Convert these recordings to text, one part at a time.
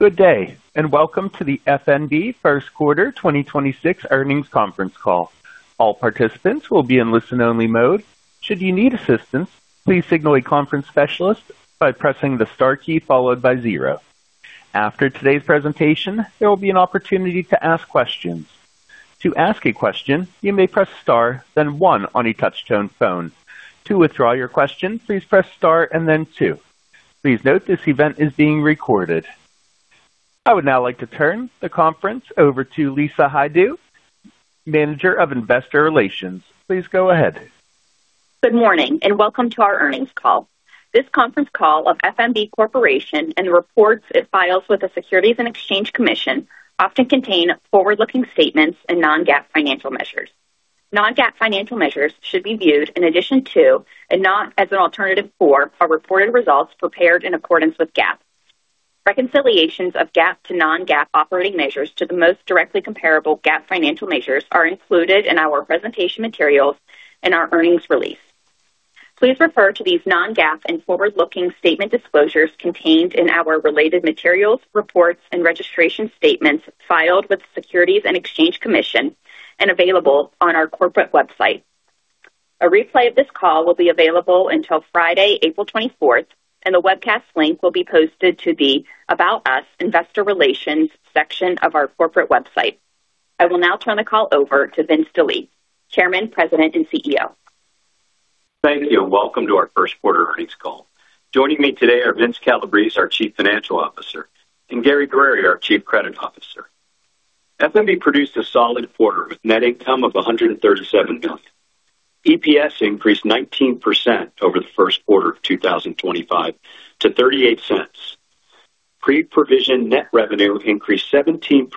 Good day, and welcome to the First National Bank Q1 2026 Earnings Conference Call. All participants will be in listen-only mode. Should you need assistance, please signal a conference specialist by pressing the star key followed by 0. After today's presentation, there will be an opportunity to ask questions. To ask a question, you may press star, then 1 on a touch-tone phone. To withdraw your question, please press star and then 2. Please note this event is being recorded. I would now like to turn the conference over to Lisa Hajdu, Manager of Investor Relations. Please go ahead. Good morning, and welcome to our earnings call. This conference call of First National Bank Corporation and the reports it files with the Securities and Exchange Commission often contain forward-looking statements and non-GAAP financial measures. Non-GAAP financial measures should be viewed in addition to, and not as an alternative for, our reported results prepared in accordance with GAAP. Reconciliations of GAAP to non-GAAP operating measures to the most directly comparable GAAP financial measures are included in our presentation materials in our earnings release. Please refer to these non-GAAP and forward-looking statement disclosures contained in our related materials, reports and registration statements filed with the Securities and Exchange Commission and available on our corporate website. A replay of this call will be available until Friday, April 24th, and a webcast link will be posted to the About Us, Investor Relations section of our corporate website. I will now turn the call over to Vince Delie, Chairman, President, and CEO. Thank you and welcome to our Q1 earnings call. Joining me today are Vince Calabrese, our Chief Financial Officer, and Gary Guerrieri, our Chief Credit Officer. First National Bank produced a solid quarter with net income of $137 million. EPS increased 19% over the Q1 of 2025 to $0.38. Pre-provision net revenue increased 17%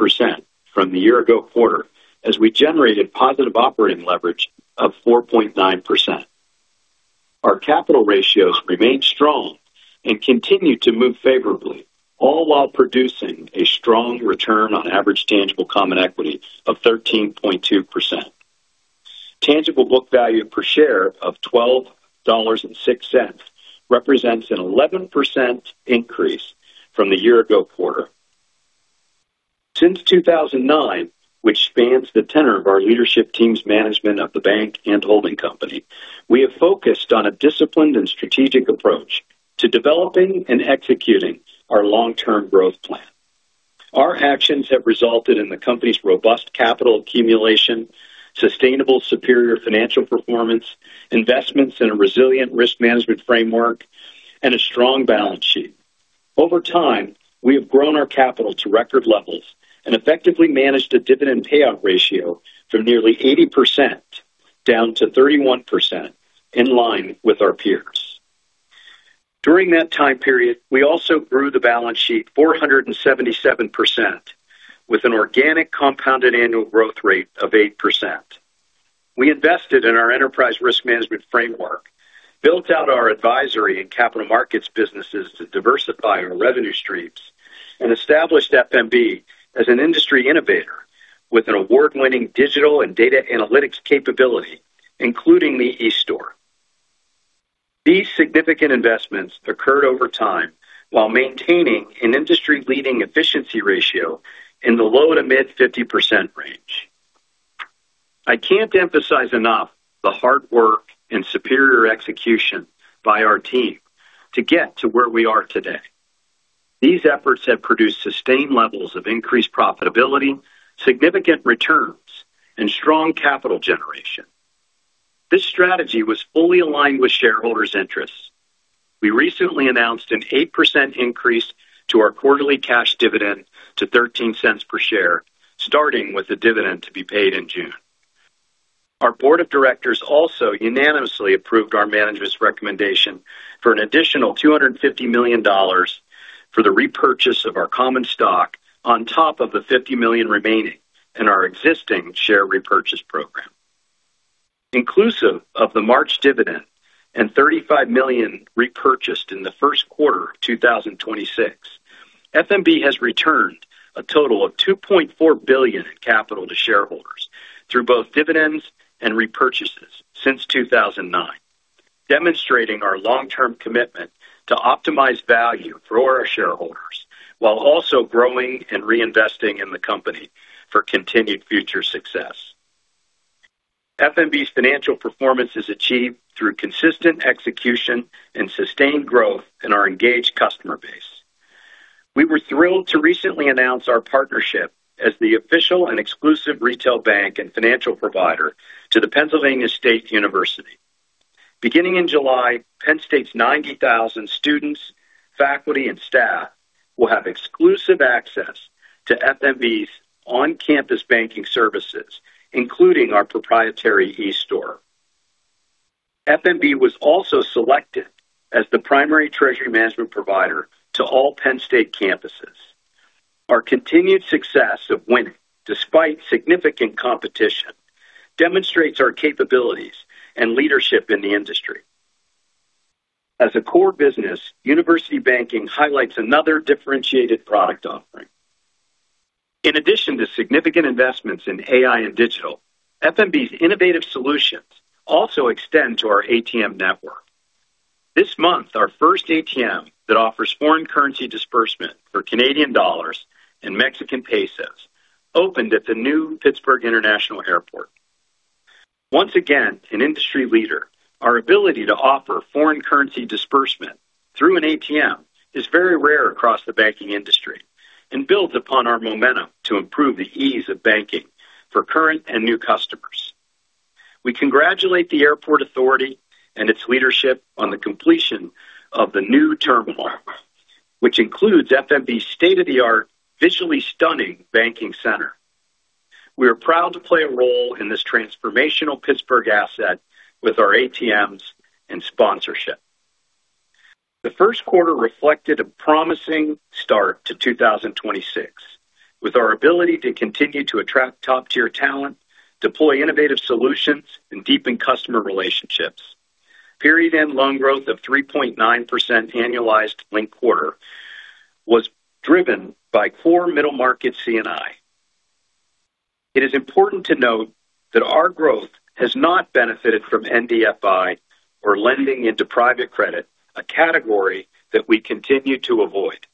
from the year ago quarter as we generated positive operating leverage of 4.9%. Our capital ratios remained strong and continued to move favorably, all while producing a strong return on average tangible common equity of 13.2%. Tangible book value per share of $12.06 represents an 11% increase from the year ago quarter. Since 2009, which spans the tenure of our leadership team's management of the bank and holding company, we have focused on a disciplined and strategic approach to developing and executing our long-term growth plan. Our actions have resulted in the company's robust capital accumulation, sustainable superior financial performance, investments in a resilient risk management framework, and a strong balance sheet. Over time, we have grown our capital to record levels and effectively managed a dividend payout ratio from nearly 80% down to 31%, in line with our peers. During that time period, we also grew the balance sheet 477% with an organic compounded annual growth rate of 8%. We invested in our enterprise risk management framework, built out our advisory and capital markets businesses to diversify our revenue streams, and established First National Bank as an industry innovator with an award-winning digital and data analytics capability, including the eStore. These significant investments occurred over time while maintaining an industry-leading efficiency ratio in the low- to mid-50% range. I can't emphasize enough the hard work and superior execution by our team to get to where we are today. These efforts have produced sustained levels of increased profitability, significant returns, and strong capital generation. This strategy was fully aligned with shareholders' interests. We recently announced an 8% increase to our quarterly cash dividend to $0.13 per share, starting with the dividend to be paid in June. Our board of directors also unanimously approved our management's recommendation for an additional $250 million for the repurchase of our common stock on top of the $50 million remaining in our existing share repurchase program. Inclusive of the March dividend and $35 million repurchased in the Q1 of 2026, First National Bank has returned a total of $2.4 billion in capital to shareholders through both dividends and repurchases since 2009, demonstrating our long-term commitment to optimize value for our shareholders, while also growing and reinvesting in the company for continued future success. First National Bank's financial performance is achieved through consistent execution and sustained growth in our engaged customer base. We were thrilled to recently announce our partnership as the official and exclusive retail bank and financial provider to the Pennsylvania State University. Beginning in July, Penn State's 90,000 students, faculty, and staff will have exclusive access to First National Bank's on-campus banking services, including our proprietary eStore. First National Bank was also selected as the primary treasury management provider to all Pennsylvania State campuses. Our continued success of winning, despite significant competition, demonstrates our capabilities and leadership in the industry. As a core business, university banking highlights another differentiated product offering. In addition to significant investments in AI and digital, First National Bank's innovative solutions also extend to our ATM network. This month, our first ATM that offers foreign currency disbursement for Canadian dollars and Mexican pesos opened at the new Pittsburgh International Airport. Once again, an industry leader, our ability to offer foreign currency disbursement through an ATM is very rare across the banking industry and builds upon our momentum to improve the ease of banking for current and new customers. We congratulate the Airport Authority and its leadership on the completion of the new terminal, which includes First National Bank's state-of-the-art, visually stunning banking center. We are proud to play a role in this transformational Pittsburgh asset with our ATMs and sponsorship. The Q1 reflected a promising start to 2026, with our ability to continue to attract top-tier talent, deploy innovative solutions, and deepen customer relationships. Period-end loan growth of 3.9% annualized linked quarter was driven by core middle market C&I. It is important to note that our growth has not benefited from NBFI or lending into private credit, a category that we continue to avoid.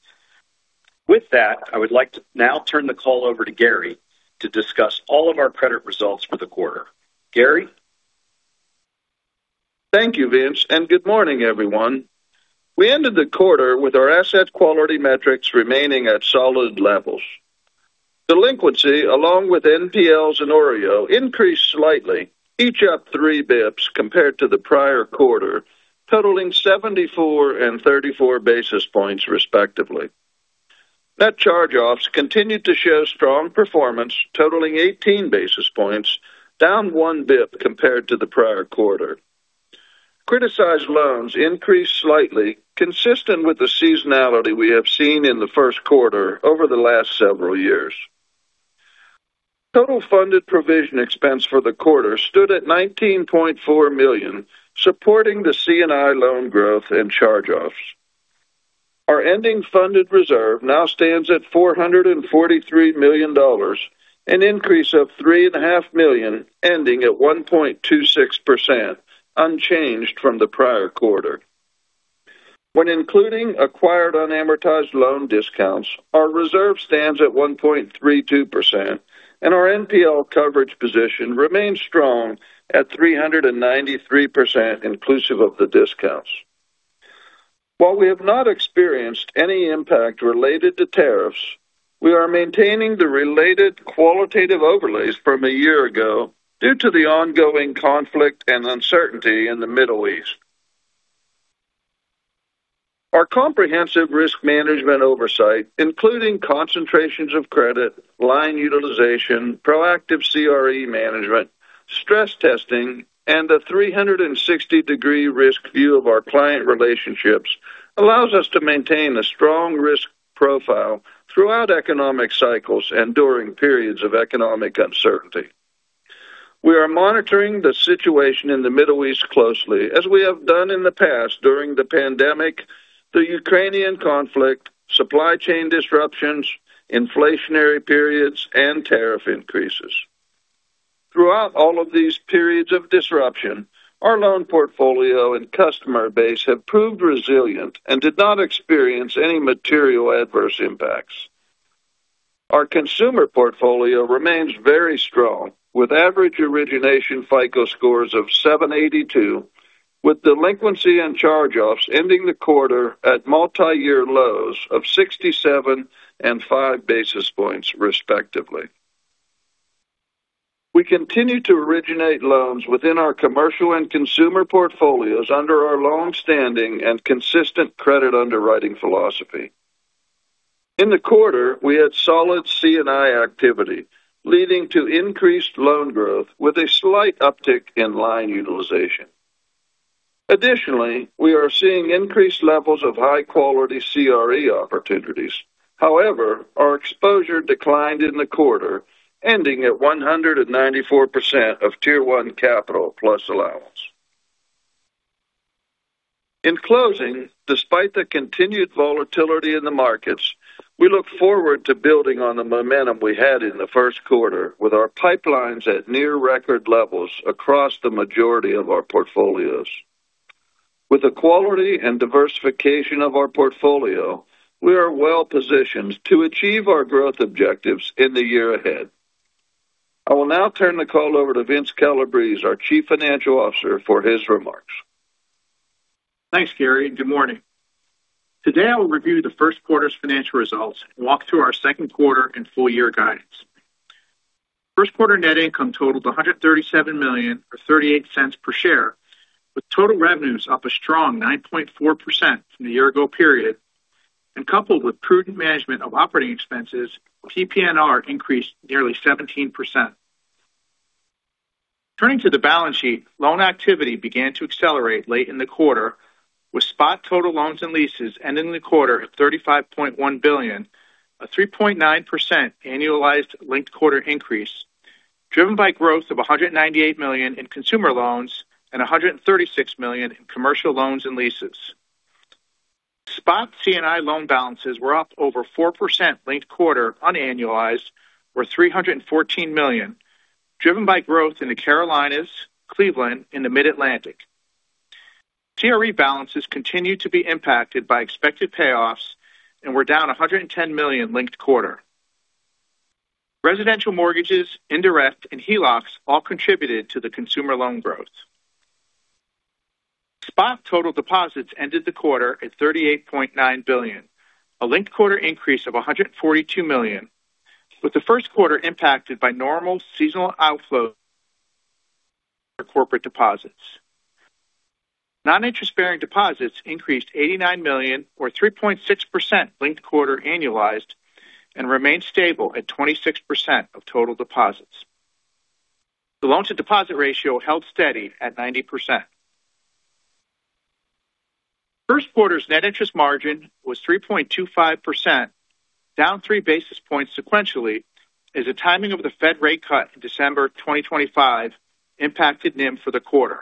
With that, I would like to now turn the call over to Gary to discuss all of our credit results for the quarter. Gary? Thank you, Vince, and good morning, everyone. We ended the quarter with our asset quality metrics remaining at solid levels. Delinquency, along with NPLs and OREO, increased slightly, each up 3 basis points compared to the prior quarter, totaling 74 and 34 basis points respectively. Net charge-offs continued to show strong performance, totaling 18 basis points, down 1 basis point compared to the prior quarter. Criticized loans increased slightly, consistent with the seasonality we have seen in the Q1 over the last several years. Total funded provision expense for the quarter stood at $19.4 million, supporting the C&I loan growth and charge-offs. Our ending funded reserve now stands at $443 million, an increase of $3.5 million, ending at 1.26%, unchanged from the prior quarter. When including acquired unamortized loan discounts, our reserve stands at 1.32%, and our NPL coverage position remains strong at 393%, inclusive of the discounts. While we have not experienced any impact related to tariffs, we are maintaining the related qualitative overlays from a year ago due to the ongoing conflict and uncertainty in the Middle East. Our comprehensive risk management oversight, including concentrations of credit, line utilization, proactive CRE management, stress testing, and a 360-degree risk view of our client relationships allows us to maintain a strong risk profile throughout economic cycles and during periods of economic uncertainty. We are monitoring the situation in the Middle East closely, as we have done in the past during the pandemic, the Ukrainian conflict, supply chain disruptions, inflationary periods, and tariff increases. Throughout all of these periods of disruption, our loan portfolio and customer base have proved resilient and did not experience any material adverse impacts. Our consumer portfolio remains very strong, with average origination FICO scores of 782, with delinquency and charge-offs ending the quarter at multiyear lows of 67 and 5 basis points respectively. We continue to originate loans within our commercial and consumer portfolios under our long-standing and consistent credit underwriting philosophy. In the quarter, we had solid C&I activity leading to increased loan growth with a slight uptick in line utilization. Additionally, we are seeing increased levels of high-quality CRE opportunities. However, our exposure declined in the quarter, ending at 194% of Tier 1 capital plus allowance. In closing, despite the continued volatility in the markets, we look forward to building on the momentum we had in the Q1 with our pipelines at near record levels across the majority of our portfolios. With the quality and diversification of our portfolio, we are well positioned to achieve our growth objectives in the year ahead. I will now turn the call over to Vince Calabrese, our Chief Financial Officer, for his remarks. Thanks, Gary, and good morning. Today, I will review the Q1's financial results and walk through our Q2 and full-year guidance. Q1 net income totaled $137 million, or $0.38 per share, with total revenues up a strong 9.4% from the year ago period. Coupled with prudent management of operating expenses, PPNR increased nearly 17%. Turning to the balance sheet, loan activity began to accelerate late in the quarter with total loans and leases ending the quarter at $35.1 billion, a 3.9% annualized linked quarter increase driven by growth of $198 million in consumer loans and $136 million in commercial loans and leases. Spot C&I loan balances were up over 4% linked quarter on annualized, or $314 million, driven by growth in the Carolinas, Cleveland, and the Mid-Atlantic. CRE balances continue to be impacted by expected payoffs and were down $110 million linked quarter. Residential mortgages, indirect, and HELOCs all contributed to the consumer loan growth. Spot total deposits ended the quarter at $38.9 billion, a linked quarter increase of $142 million, with the Q1 impacted by normal seasonal outflow for corporate deposits. Non-interest-bearing deposits increased $89 million or 3.6% linked quarter annualized and remained stable at 26% of total deposits. The loan to deposit ratio held steady at 90%. Q1's net interest margin was 3.25%, down 3 basis points sequentially as the timing of the Fed rate cut in December 2025 impacted NIM for the quarter.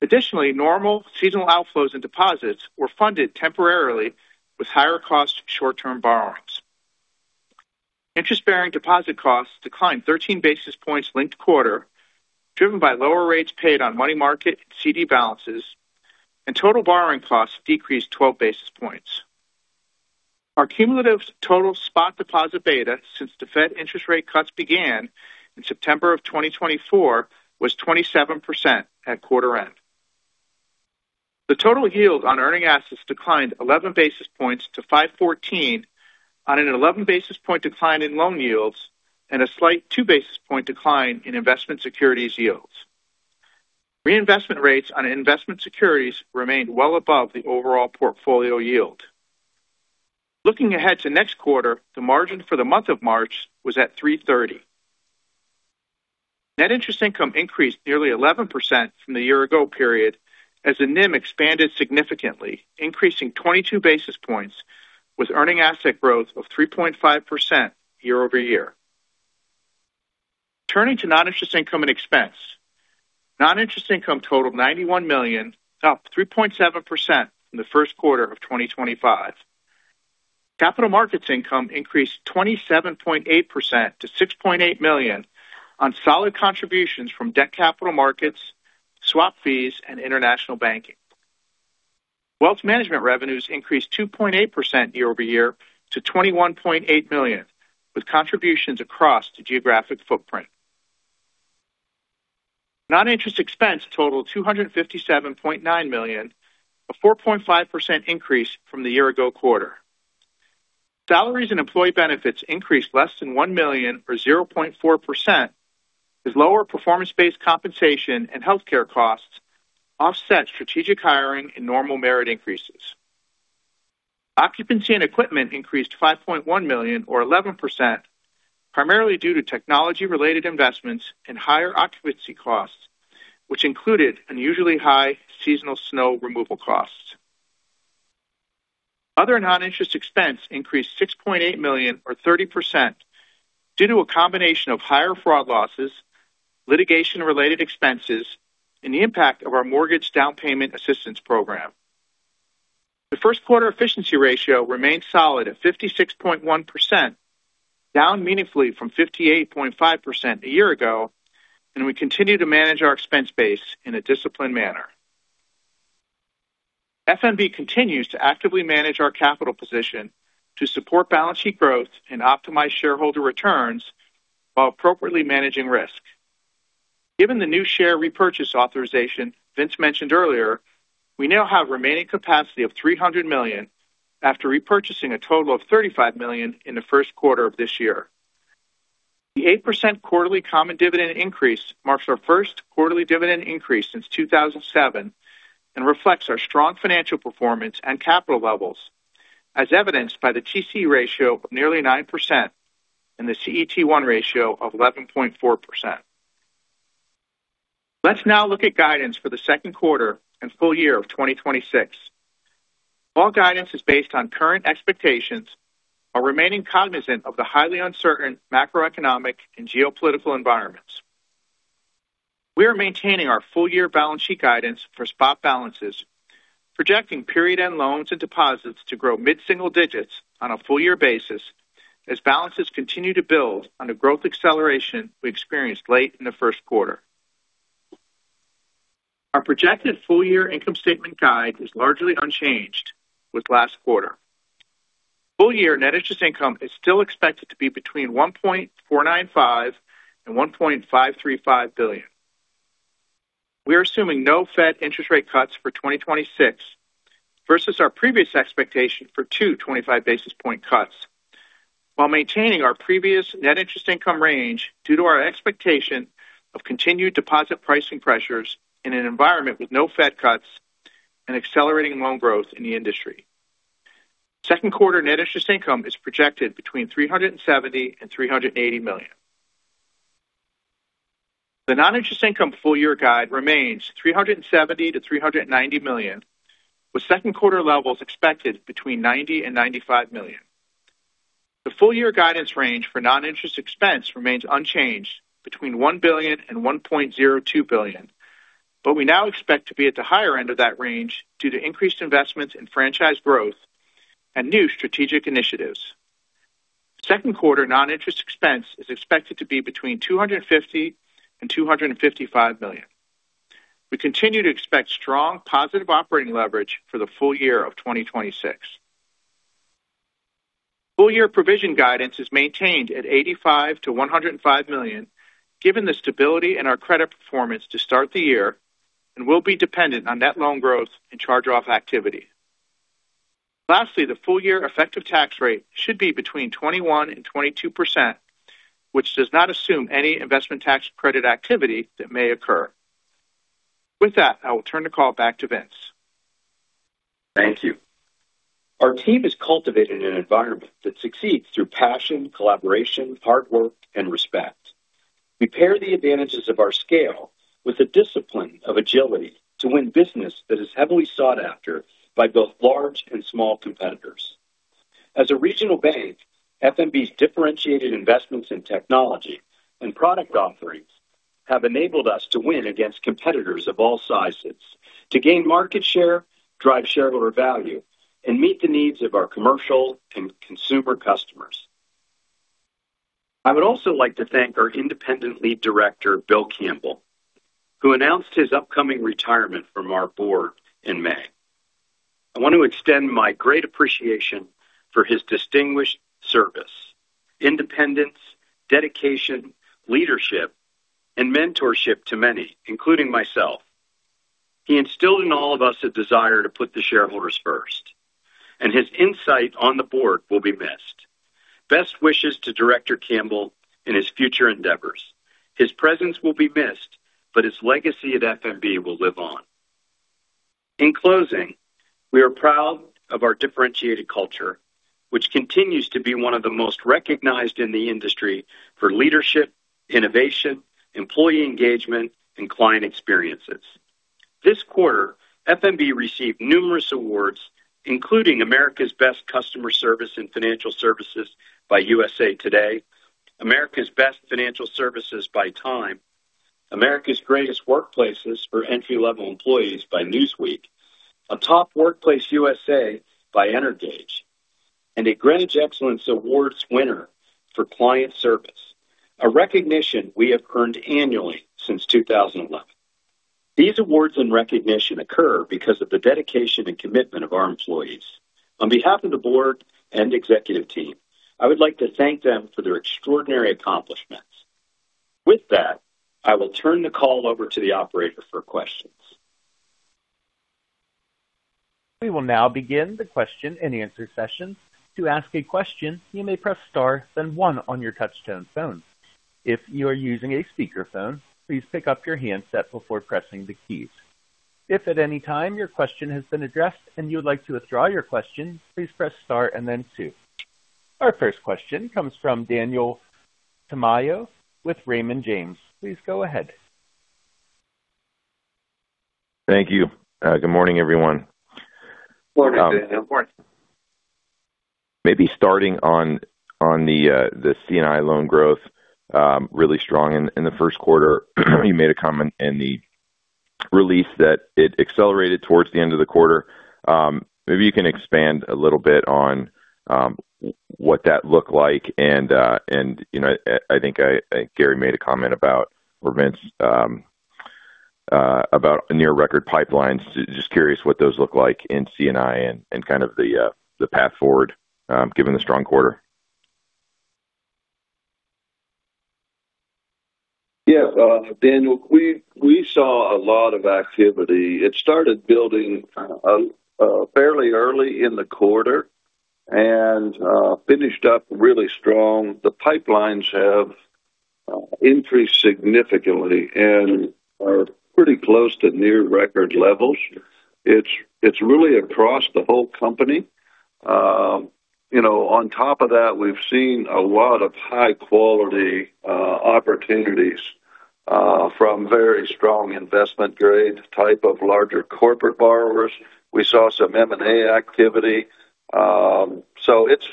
Additionally, normal seasonal outflows and deposits were funded temporarily with higher cost short-term borrowings. Interest-bearing deposit costs declined 13 basis points linked quarter, driven by lower rates paid on money market and CD balances, and total borrowing costs decreased 12 basis points. Our cumulative total spot deposit beta since the Fed interest rate cuts began in September of 2024 was 27% at quarter end. The total yield on earning assets declined 11 basis points to 514 on an 11 basis point decline in loan yields and a slight two basis point decline in investment securities yields. Reinvestment rates on investment securities remained well above the overall portfolio yield. Looking ahead to next quarter, the margin for the month of March was at 330. Net interest income increased nearly 11% from the year ago period as the NIM expanded significantly, increasing 22 basis points with earning asset growth of 3.5% year-over-year. Turning to non-interest income and expense. Non-interest income totaled $91 million, up 3.7% from the Q1 of 2025. Capital markets income increased 27.8% to $6.8 million on solid contributions from debt capital markets, swap fees, and international banking. Wealth management revenues increased 2.8% year-over-year to $21.8 million, with contributions across the geographic footprint. Non-interest expense totaled $257.9 million, a 4.5% increase from the year-ago quarter. Salaries and employee benefits increased less than $1 million or 0.4% as lower performance-based compensation and healthcare costs offset strategic hiring and normal merit increases. Occupancy and equipment increased $5.1 million or 11%, primarily due to technology-related investments and higher occupancy costs, which included unusually high seasonal snow removal costs. Other non-interest expense increased $6.8 million or 30% due to a combination of higher fraud losses, litigation-related expenses, and the impact of our mortgage down payment assistance program. The Q1 efficiency ratio remained solid at 56.1%, down meaningfully from 58.5% a year ago, and we continue to manage our expense base in a disciplined manner. First National Bank continues to actively manage our capital position to support balance sheet growth and optimize shareholder returns while appropriately managing risk. Given the new share repurchase authorization Vince mentioned earlier, we now have remaining capacity of $300 million after repurchasing a total of $35 million in the Q1 of this year. The 8% quarterly common dividend increase marks our Q1 dividend increase since 2007 and reflects our strong financial performance and capital levels as evidenced by the TCE ratio of nearly 9% and the CET1 ratio of 11.4%. Let's now look at guidance for the Q2 and full year of 2026. All guidance is based on current expectations while remaining cognizant of the highly uncertain macroeconomic and geopolitical environments. We are maintaining our full year balance sheet guidance for spot balances, projecting period end loans and deposits to grow mid-single digits on a full year basis as balances continue to build on the growth acceleration we experienced late in the Q1. Our projected full year income statement guide is largely unchanged with last quarter. Full year net interest income is still expected to be between $1.495 billion and $1.535 billion. We are assuming no Fed interest rate cuts for 2026 versus our previous expectation for two 25 basis point cuts while maintaining our previous net interest income range due to our expectation of continued deposit pricing pressures in an environment with no Fed cuts and accelerating loan growth in the industry. Q2 net interest income is projected between $370 million and $380 million. The non-interest income full year guide remains $370 million-$390 million, with Q2 levels expected between $90 million and $95 million. The full year guidance range for non-interest expense remains unchanged between $1 billion-$1.02 billion. We now expect to be at the higher end of that range due to increased investments in franchise growth and new strategic initiatives. Q2 non-interest expense is expected to be between $250 million-$255 million. We continue to expect strong positive operating leverage for the full year of 2026. Full year provision guidance is maintained at $85 million-$105 million, given the stability in our credit performance to start the year, and will be dependent on net loan growth and charge-off activity. Lastly, the full year effective tax rate should be between 21%-22%, which does not assume any investment tax credit activity that may occur. With that, I will turn the call back to Vince. Thank you. Our team has cultivated an environment that succeeds through passion, collaboration, hard work, and respect. We pair the advantages of our scale with the discipline of agility to win business that is heavily sought after by both large and small competitors. As a regional bank, First National Bank's differentiated investments in technology and product offerings have enabled us to win against competitors of all sizes to gain market share, drive shareholder value, and meet the needs of our commercial and consumer customers. I would also like to thank our Lead Independent Director, Bill Campbell, who announced his upcoming retirement from our board in May. I want to extend my great appreciation for his distinguished service, independence, dedication, leadership, and mentorship to many, including myself. He instilled in all of us a desire to put the shareholders first, and his insight on the board will be missed. Best wishes to Director Campbell in his future endeavors. His presence will be missed, but his legacy at First National Bank will live on. In closing, we are proud of our differentiated culture, which continues to be one of the most recognized in the industry for leadership, innovation, employee engagement, and client experiences. This quarter, First National Bank received numerous awards, including America's Best Customer Service in Financial Services by USA Today, America's Best Financial Services by Time, America's Greatest Workplaces for Entry-Level Employees by Newsweek, a Top Workplace USA by Energage, and a Greenwich Excellence Awards winner for client service, a recognition we have earned annually since 2011. These awards and recognition occur because of the dedication and commitment of our employees. On behalf of the board and executive team, I would like to thank them for their extraordinary accomplishments. With that, I will turn the call over to the operator for questions. We will now begin the question-and-answer session. To ask a question, you may press star, then 1 on your touchtone phone. If you are using a speakerphone, please pick up your handset before pressing the keys. If at any time your question has been addressed and you would like to withdraw your question, please press star and then 2. Our first question comes from Daniel Tamayo with Raymond James. Please go ahead. Thank you. Good morning, everyone. Morning, Daniel. Morning. Maybe starting on the C&I loan growth, really strong in the Q1. You made a comment in the release that it accelerated towards the end of the quarter. Maybe you can expand a little bit on what that looked like and I think Gary made a comment about, or Vince, about near record pipelines. Just curious what those look like in C&I and kind of the path forward given the strong quarter. Yes, Daniel. We saw a lot of activity. It started building fairly early in the quarter and finished up really strong. The pipelines have increased significantly and are pretty close to near record levels. It's really across the whole company. On top of that, we've seen a lot of high-quality opportunities from very strong investment grade type of larger corporate borrowers. We saw some M&A activity.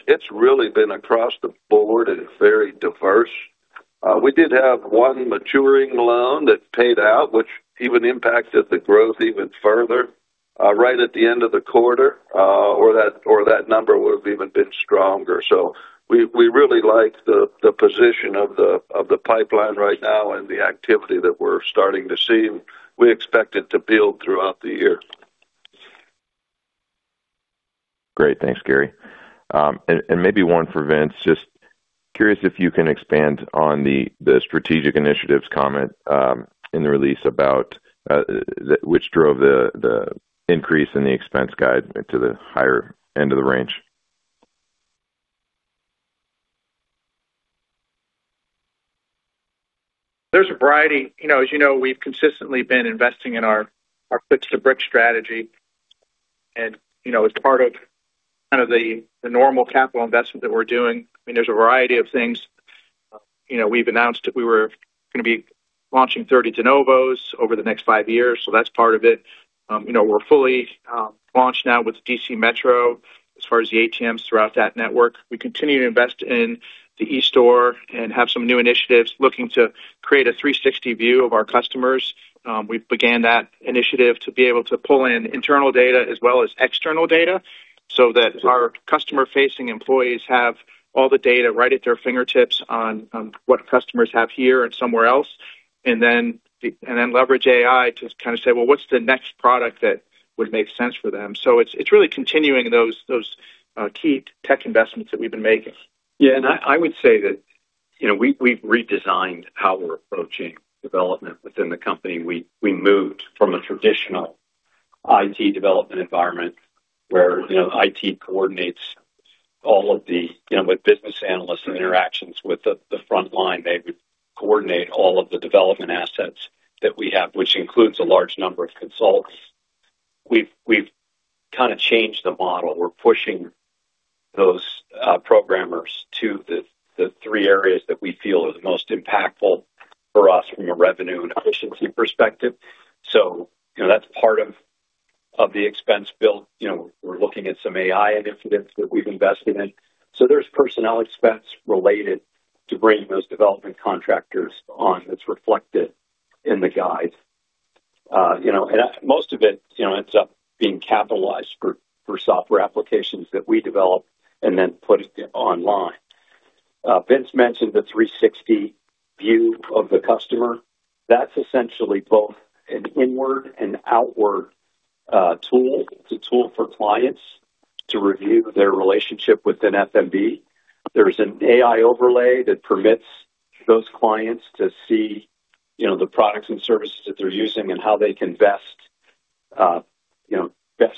It's really been across the board and very diverse. We did have one maturing loan that paid out, which even impacted the growth even further right at the end of the quarter or that number would have even been stronger. We really like the position of the pipeline right now and the activity that we're starting to see, and we expect it to build throughout the year. Great. Thanks, Gary. Maybe one for Vince, just curious if you can expand on the strategic initiatives comment in the release about which drove the increase in the expense guide to the higher end of the range? There's a variety. As you know, we've consistently been investing in our Clicks-to-Bricks strategy. As part of kind of the normal capital investment that we're doing, I mean, there's a variety of things We've announced that we were going to be launching 30 de novos over the next five years, so that's part of it. We're fully launched now with D.C. Metro as far as the ATMs throughout that network. We continue to invest in the eStore and have some new initiatives looking to create a 360 view of our customers. We've began that initiative to be able to pull in internal data as well as external data so that our customer-facing employees have all the data right at their fingertips on what customers have here and somewhere else. And then leverage AI to kind of say, "Well, what's the next product that would make sense for them?" It's really continuing those key tech investments that we've been making. Yeah, I would say that we've redesigned how we're approaching development within the company. We moved from a traditional IT development environment where IT coordinates all of the business analysts interactions with the frontline. They would coordinate all of the development assets that we have, which includes a large number of consultants. We've kind of changed the model. We're pushing those programmers to the three areas that we feel are the most impactful for us from a revenue and efficiency perspective. That's part of the expense build. We're looking at some AI initiatives that we've invested in. There's personnel expense related to bringing those development contractors on that's reflected in the guide. Most of it ends up being capitalized for software applications that we develop and then put it online. Vince mentioned the 360 view of the customer. That's essentially both an inward and outward tool. It's a tool for clients to review their relationship within First National Bank. There's an AI overlay that permits those clients to see the products and services that they're using and how they can best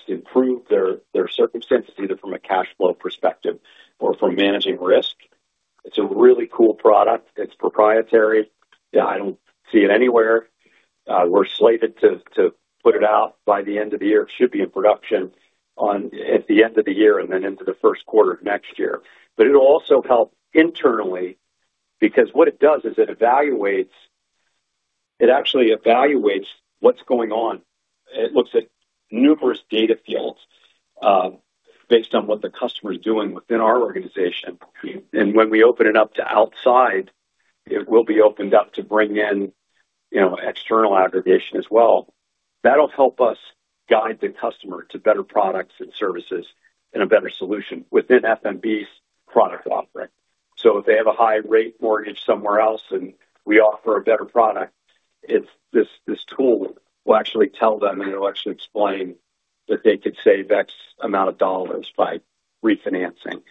improve their circumstances, either from a cash flow perspective or from managing risk. It's a really cool product. It's proprietary. I don't see it anywhere. We're slated to put it out by the end of the year. It should be in production at the end of the year and then into the Q1 of next year. But it'll also help internally because what it does is it actually evaluates what's going on. It looks at numerous data fields based on what the customer is doing within our organization. When we open it up to outside, it will be opened up to bring in external aggregation as well. That'll help us guide the customer to better products and services and a better solution within First National Bank's product offering. If they have a high rate mortgage somewhere else and we offer a better product, this tool will actually tell them, and it'll actually explain that they could save $X by refinancing.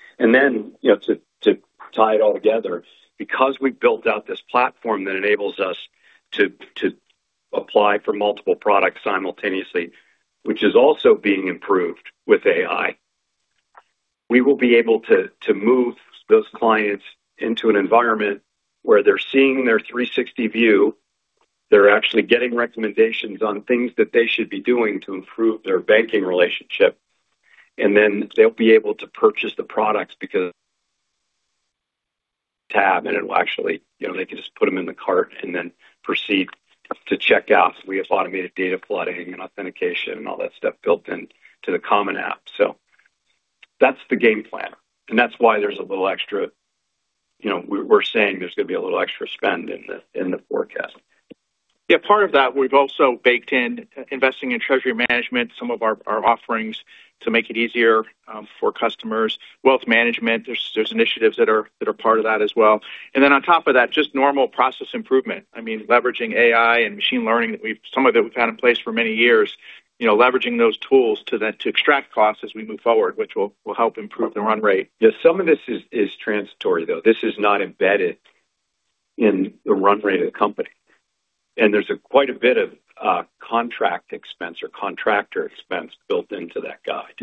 To tie it all together, because we built out this platform that enables us to apply for multiple products simultaneously, which is also being improved with AI. We will be able to move those clients into an environment where they're seeing their 360 view. They're actually getting recommendations on things that they should be doing to improve their banking relationship. Then they'll be able to purchase the products. They can just put them in the cart and then proceed to check out. We have automated data plotting and authentication and all that stuff built in to the Common App. That's the game plan. That's why there's a little extra. We're saying there's going to be a little extra spend in the forecast. Yeah. Part of that we've also baked in investing in treasury management, some of our offerings to make it easier for customers. Wealth management, there's initiatives that are part of that as well. On top of that, just normal process improvement. I mean, leveraging AI and machine learning some of it we've had in place for many years. Leveraging those tools to extract costs as we move forward, which will help improve the run rate. Yeah, some of this is transitory, though. This is not embedded in the run rate of the company. There's quite a bit of contract expense or contractor expense built into that guide,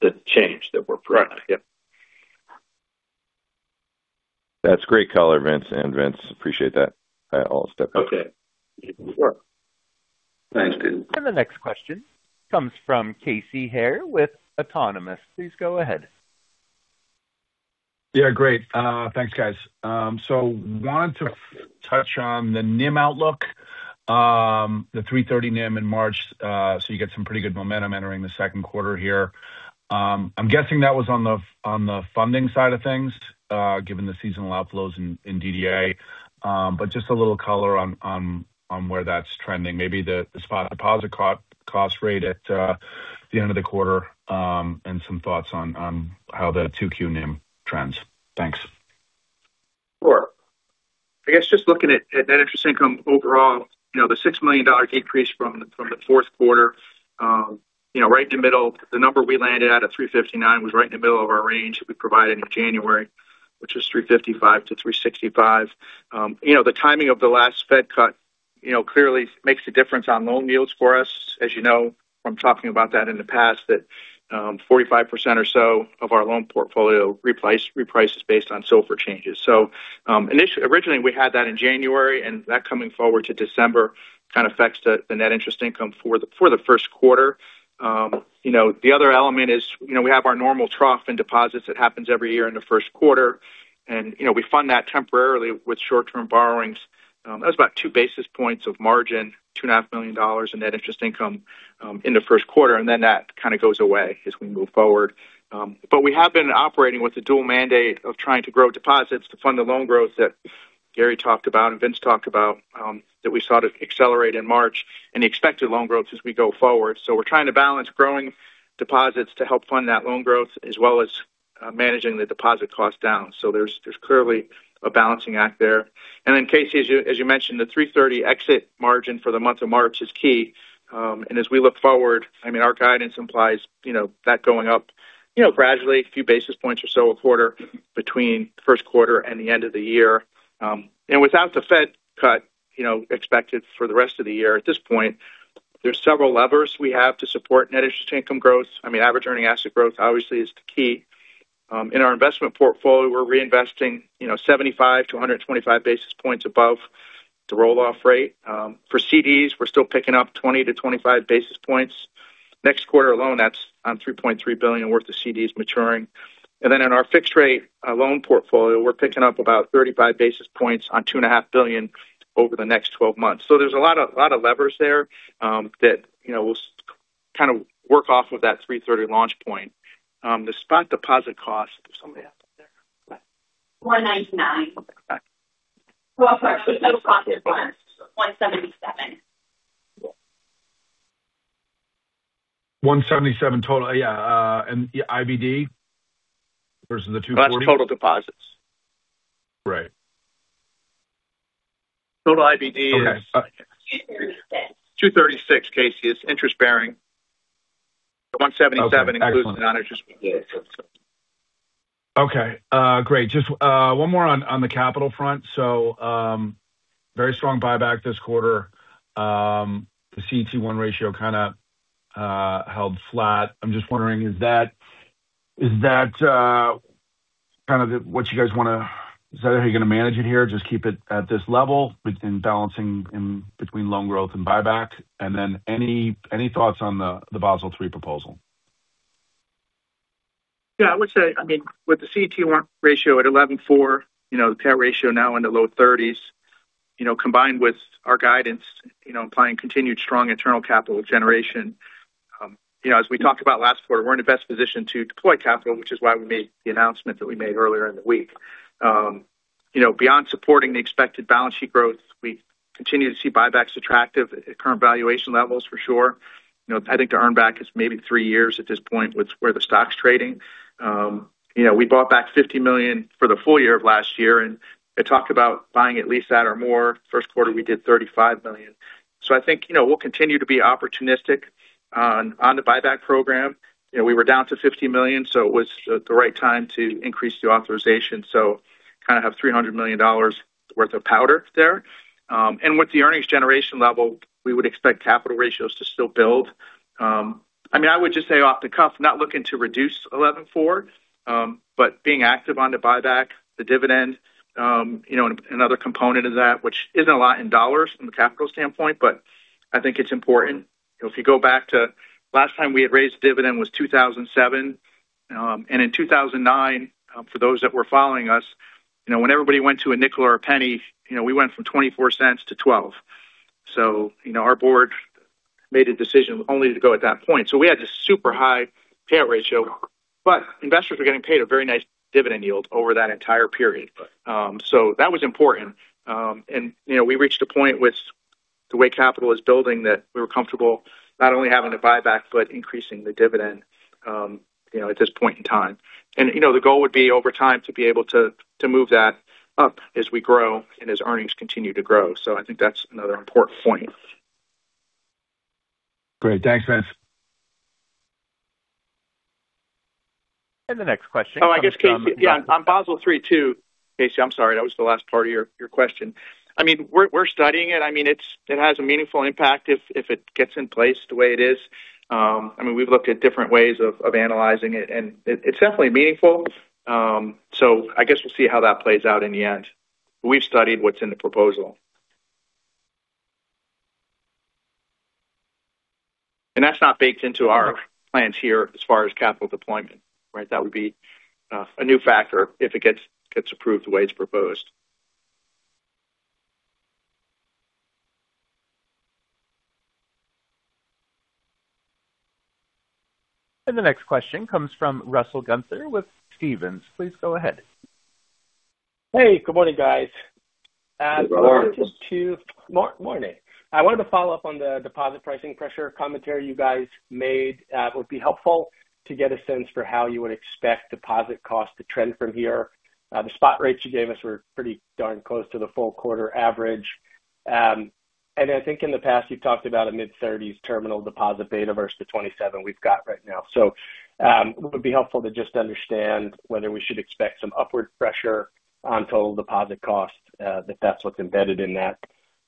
the change that we're providing. Right. Yep. That's great color, Vince and Vince, appreciate that. I'll step out. Okay. Sure. Thanks, dude. The next question comes from Casey Haire with Autonomous Research. Please go ahead. Yeah. Great. Thanks, guys. Wanted to touch on the NIM outlook, the 3.30% NIM in March. You get some pretty good momentum entering the Q2 here. I'm guessing that was on the funding side of things, given the seasonal outflows in DDA. Just a little color on where that's trending, maybe the spot deposit cost rate at the end of the quarter, and some thoughts on how the Q2 NIM trends. Thanks. Sure. I guess just looking at that interest income overall, the $6 million decrease from the Q4 right in the middle, the number we landed at of 359 was right in the middle of our range that we provided in January, which was 355-365. The timing of the last Fed cut clearly makes a difference on loan yields for us. As you know from talking about that in the past, that 45% or so of our loan portfolio reprices based on SOFR changes. Originally we had that in January, and that coming forward to December kind of affects the net interest income for the Q1. The other element is we have our normal trough in deposits that happens every year in the Q1, and we fund that temporarily with short-term borrowings. That was about 2 basis points of margin, $2.5 million in net interest income in the Q1, and then that kind of goes away as we move forward. We have been operating with the dual mandate of trying to grow deposits to fund the loan growth that Gary talked about and Vince talked about, that we saw it accelerate in March, and the expected loan growth as we go forward. We're trying to balance growing deposits to help fund that loan growth as well as managing the deposit cost down. There's clearly a balancing act there. Casey, as you mentioned, the 3.30 exit margin for the month of March is key. As we look forward, our guidance implies that going up gradually a few basis points or so a quarter between the Q1 and the end of the year. Without the Fed cut expected for the rest of the year at this point, there's several levers we have to support net interest income growth. Average earning asset growth obviously is the key. In our investment portfolio, we're reinvesting 75-125 basis points above the roll-off rate. For CDs, we're still picking up 20-25 basis points. Next quarter alone, that's on $3.3 billion worth of CDs maturing. In our fixed rate loan portfolio, we're picking up about 35 basis points on $2.5 billion over the next 12 months. There's a lot of levers there that we'll kind of work off of that 3.30 launch point. The spot deposit cost. Is somebody else up there? 199. Okay. Got it. Well, sorry. The total cost was $177. 177 total. Yeah. IBD versus the 240? That's total deposits. Right. Total IBD is Okay. 236. 236, Casey. It's interest-bearing. The 177 includes the non-interest. Okay. Great. Just one more on the capital front. Very strong buyback this quarter. The CET1 ratio kind of held flat. I'm just wondering, is that kind of what you guys want to? Is that how you're going to manage it here? Just keep it at this level between balancing between loan growth and buyback? Any thoughts on the Basel III proposal? Yeah. I would say, with the CET1 ratio at 11.4, the Tier 1 ratio now in the low 30s, combined with our guidance implying continued strong internal capital generation. As we talked about last quarter, we're in the best position to deploy capital, which is why we made the announcement that we made earlier in the week. Beyond supporting the expected balance sheet growth, we continue to see buybacks attractive at current valuation levels for sure. I think the earn back is maybe three years at this point with where the stock's trading. We bought back $50 million for the full year of last year, and I talked about buying at least that or more. Q1, we did $35 million. I think we'll continue to be opportunistic on the buyback program. We were down to $50 million, so it was the right time to increase the authorization. Kind of have $300 million worth of powder there. With the earnings generation level, we would expect capital ratios to still build. I would just say off the cuff, not looking to reduce 11.4%, but being active on the buyback, the dividend, and other component of that, which isn't a lot in dollars from a capital standpoint, but I think it's important. If you go back to last time we had raised dividend was 2007. In 2009, for those that were following us, when everybody went to a nickel or a penny, we went from $0.24 to $0.12. Our board made a decision only to go at that point. We had this super high payout ratio, but Investors were getting paid a very nice dividend yield over that entire period. That was important. We reached a point with the way capital is building that we were comfortable not only having a buyback but increasing the dividend at this point in time. The goal would be over time to be able to move that up as we grow and as earnings continue to grow. I think that's another important point. Great. Thanks, Vince. The next question comes from- Oh, I guess, Casey. Yeah. On Basel III too, Casey, I'm sorry, that was the last part of your question. We're studying it. It has a meaningful impact if it gets in place the way it is. We've looked at different ways of analyzing it, and it's definitely meaningful. So I guess we'll see how that plays out in the end. We've studied what's in the proposal. That's not baked into our plans here as far as capital deployment. That would be a new factor if it gets approved the way it's proposed. The next question comes from Russell Gunther with Stephens. Please go ahead. Hey, good morning, guys. Good morning. Morning. I wanted to follow up on the deposit pricing pressure commentary you guys made. It would be helpful to get a sense for how you would expect deposit costs to trend from here. The spot rates you gave us were pretty darn close to the full quarter average. I think in the past, you've talked about a mid-30s terminal deposit beta versus the 27 we've got right now. It would be helpful to just understand whether we should expect some upward pressure on total deposit costs if that's what's embedded in that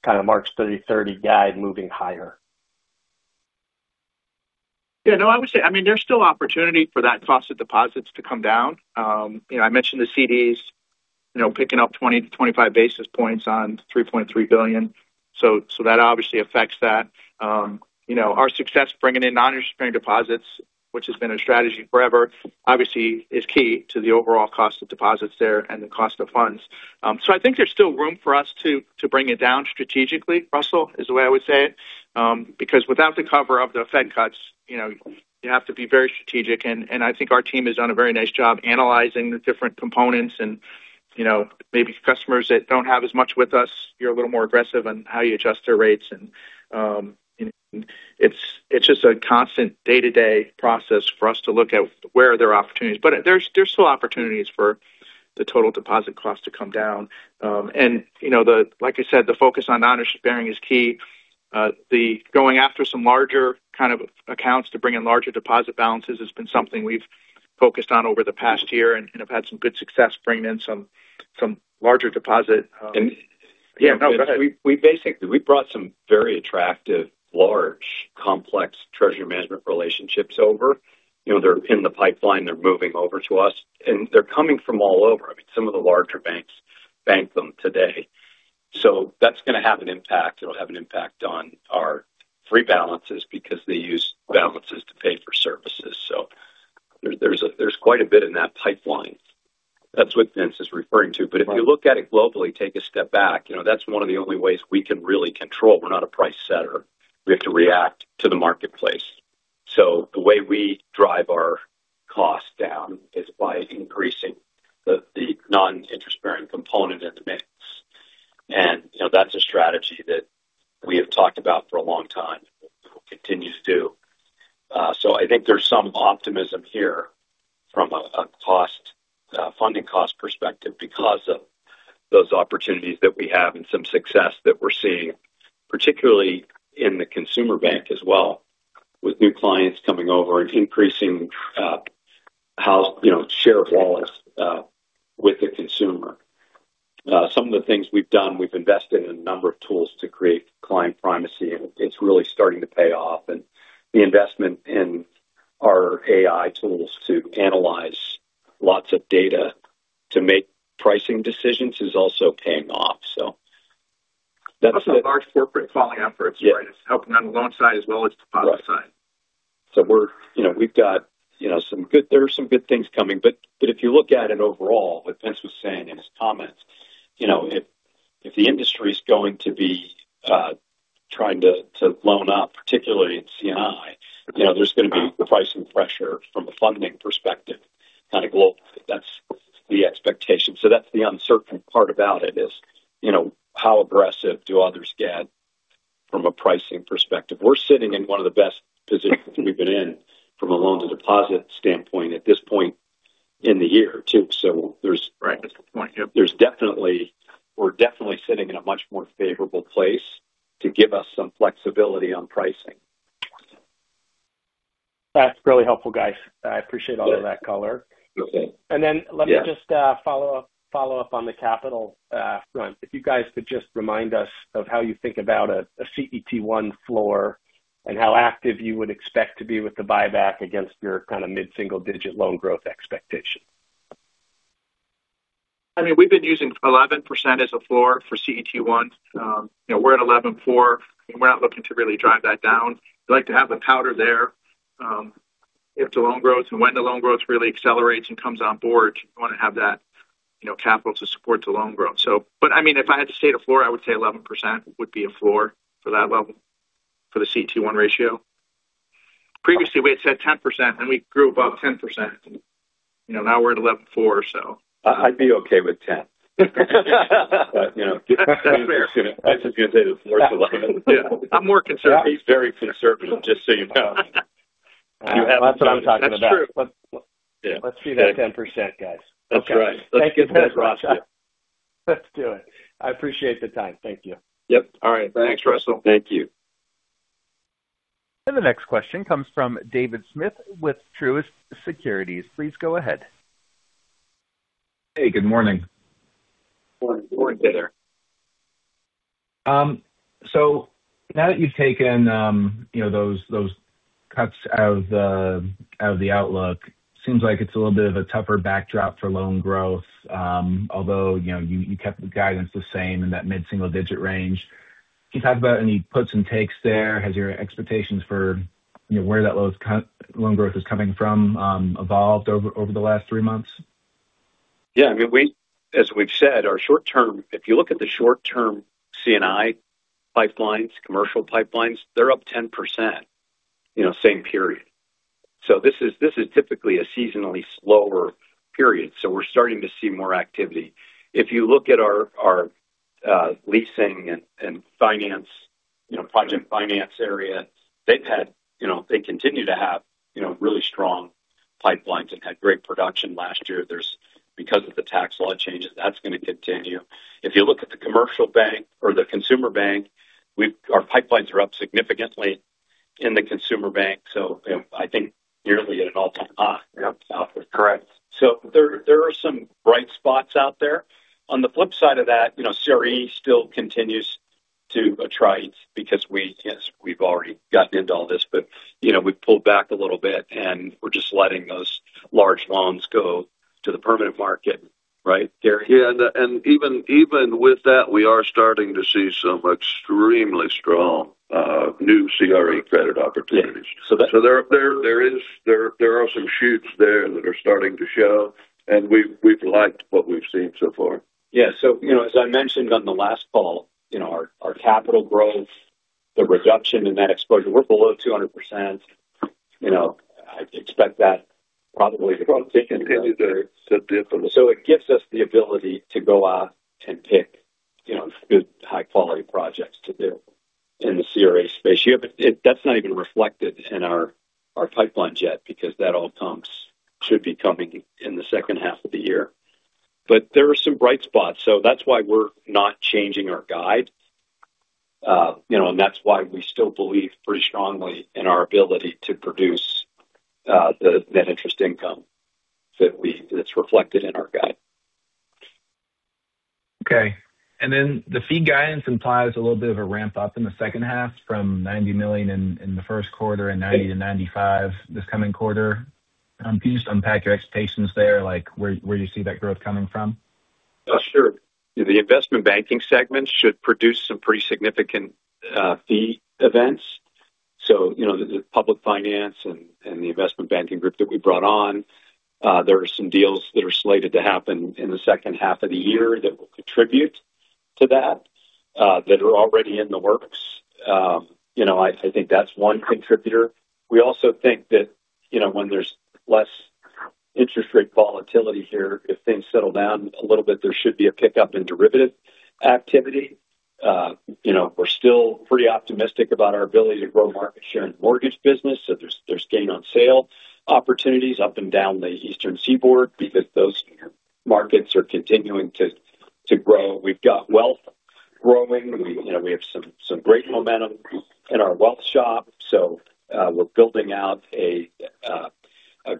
kind of mid-3.030 guide moving higher. Yeah. No, I would say, there's still opportunity for that cost of deposits to come down. I mentioned the CDs picking up 20 to 25 basis points on $3.3 billion. So that obviously affects that. Our success bringing in non-interest-bearing deposits, which has been a strategy forever, obviously is key to the overall cost of deposits there and the cost of funds. I think there's still room for us to bring it down strategically, Russell, is the way I would say it. Because without the cover of the Fed cuts, you have to be very strategic, and I think our team has done a very nice job analyzing the different components and maybe customers that don't have as much with us, you're a little more aggressive on how you adjust their rates. It's just a constant day-to-day process for us to look at where there are opportunities. There's still opportunities for the total deposit cost to come down. Like I said, the focus on non-interest bearing is key. Going after some larger kind of accounts to bring in larger deposit balances has been something we've focused on over the past year and have had some good success bringing in some larger deposit. Yeah. We basically brought some very attractive, large, complex treasury management relationships over. They're in the pipeline. They're moving over to us, and they're coming from all over. I mean, some of the larger banks bank them today. That's going to have an impact. It'll have an impact on our free balances because they use balances to pay for services. There's quite a bit in that pipeline. That's what Vince is referring to. But if you look at it globally, take a step back, that's one of the only ways we can really control. We're not a price setter. We have to react to the marketplace. The way we drive our cost down is by increasing the non-interest-bearing component in the mix. That's a strategy that we have talked about for a long time and will continue to do. I think there's some optimism here from a funding cost perspective because of those opportunities that we have and some success that we're seeing, particularly in the consumer bank as well, with new clients coming over and increasing share of wallets with the consumer. Some of the things we've done, we've invested in a number of tools to create client primacy, and it's really starting to pay off. The investment in our AI tools to analyze lots of data to make pricing decisions is also paying off. That's it. Large corporate funding efforts. Yeah. Helping on the loan side as well as deposit side. Right. There are some good things coming. If you look at it overall, what Vince was saying in his comments, if the industry's going to be trying to loan up, particularly in C&I, there's going to be pricing pressure from a funding perspective kind of globally. That's the expectation. That's the uncertain part about it, is how aggressive do others get from a pricing perspective. We're sitting in one of the best positions we've been in from a loan to deposit standpoint at this point in the year, too. Right. That's a good point. Yep. We're definitely sitting in a much more favorable place to give us some flexibility on pricing. That's really helpful, guys. I appreciate all of that color. Yeah. Okay. Let me just follow up on the capital front. If you guys could just remind us of how you think about a CET1 floor and how active you would expect to be with the buyback against your kind of mid-single digit loan growth expectation. I mean, we've been using 11% as a floor for CET1. We're at 11.4, and we're not looking to really drive that down. We like to have the powder there. If the loan grows and when the loan growth really accelerates and comes on board, you want to have that capital to support the loan growth. But if I had to say the floor, I would say 11% would be a floor for that level for the CET1 ratio. Previously, we had said 10%, and we grew above 10%. Now we're at 11.4, so. I'd be okay with 10. That's fair. I was just going to say the floor is 11. I'm more conservative. He's very conservative, just so you know. That's what I'm talking about. That's true. Let's do that 10%, guys. That's right. Thank you for that, Russell. Let's do it. I appreciate the time. Thank you. Yep. All right. Thanks, Russell. Thank you. The next question comes from David Smith with Truist Securities. Please go ahead. Hey, good morning. Morning. Good morning. Now that you've taken those cuts out of the outlook, seems like it's a little bit of a tougher backdrop for loan growth. Although you kept the guidance the same in that mid-single digit range. Can you talk about any puts and takes there? Has your expectations for where that loan growth is coming from evolved over the last three months? Yeah. As we've said, if you look at the short term C&I pipelines, commercial pipelines, they're up 10%, same period. This is typically a seasonally slower period. We're starting to see more activity. If you look at our leasing and project finance area, they continue to have really strong pipelines and had great production last year. Because of the tax law changes, that's going to continue. If you look at the commercial bank or the consumer bank, our pipelines are up significantly in the consumer bank. I think nearly at an all-time high. Yeah. Correct. There are some bright spots out there. On the flip side of that, CRE still continues to attrite because we've already gotten into all this. We've pulled back a little bit, and we're just letting those large loans go to the permanent market. Right, Gary? Yeah. Even with that, we are starting to see some extremely strong new CRE credit opportunities. Yeah. There are some shoots there that are starting to show, and we've liked what we've seen so far. Yeah. As I mentioned on the last call, our capital growth, the reduction in that exposure, we're below 200%. I expect that probably to continue. Continue there. It gives us the ability to go out and pick good high-quality projects to do in the CRE space. That's not even reflected in our pipeline yet because that all should be coming in the second half of the year. There are some bright spots. That's why we're not changing our guide. That's why we still believe pretty strongly in our ability to produce net interest income that's reflected in our guide. Okay. Then the fee guidance implies a little bit of a ramp up in the second half from $90 million in the Q1 and $90-$95 million this coming quarter. Can you just unpack your expectations there, like where you see that growth coming from? Sure. The investment banking segment should produce some pretty significant fee events. The public finance and the investment banking group that we brought on, there are some deals that are slated to happen in the second half of the year that will contribute to that are already in the works. I think that's one contributor. We also think that when there's less interest rate volatility here, if things settle down a little bit, there should be a pickup in derivative activity. We're still pretty optimistic about our ability to grow market share in mortgage business. There's gain on sale opportunities up and down the eastern seaboard because those markets are continuing to grow. We've got wealth growing. We have some great momentum in our wealth shop. We're building out a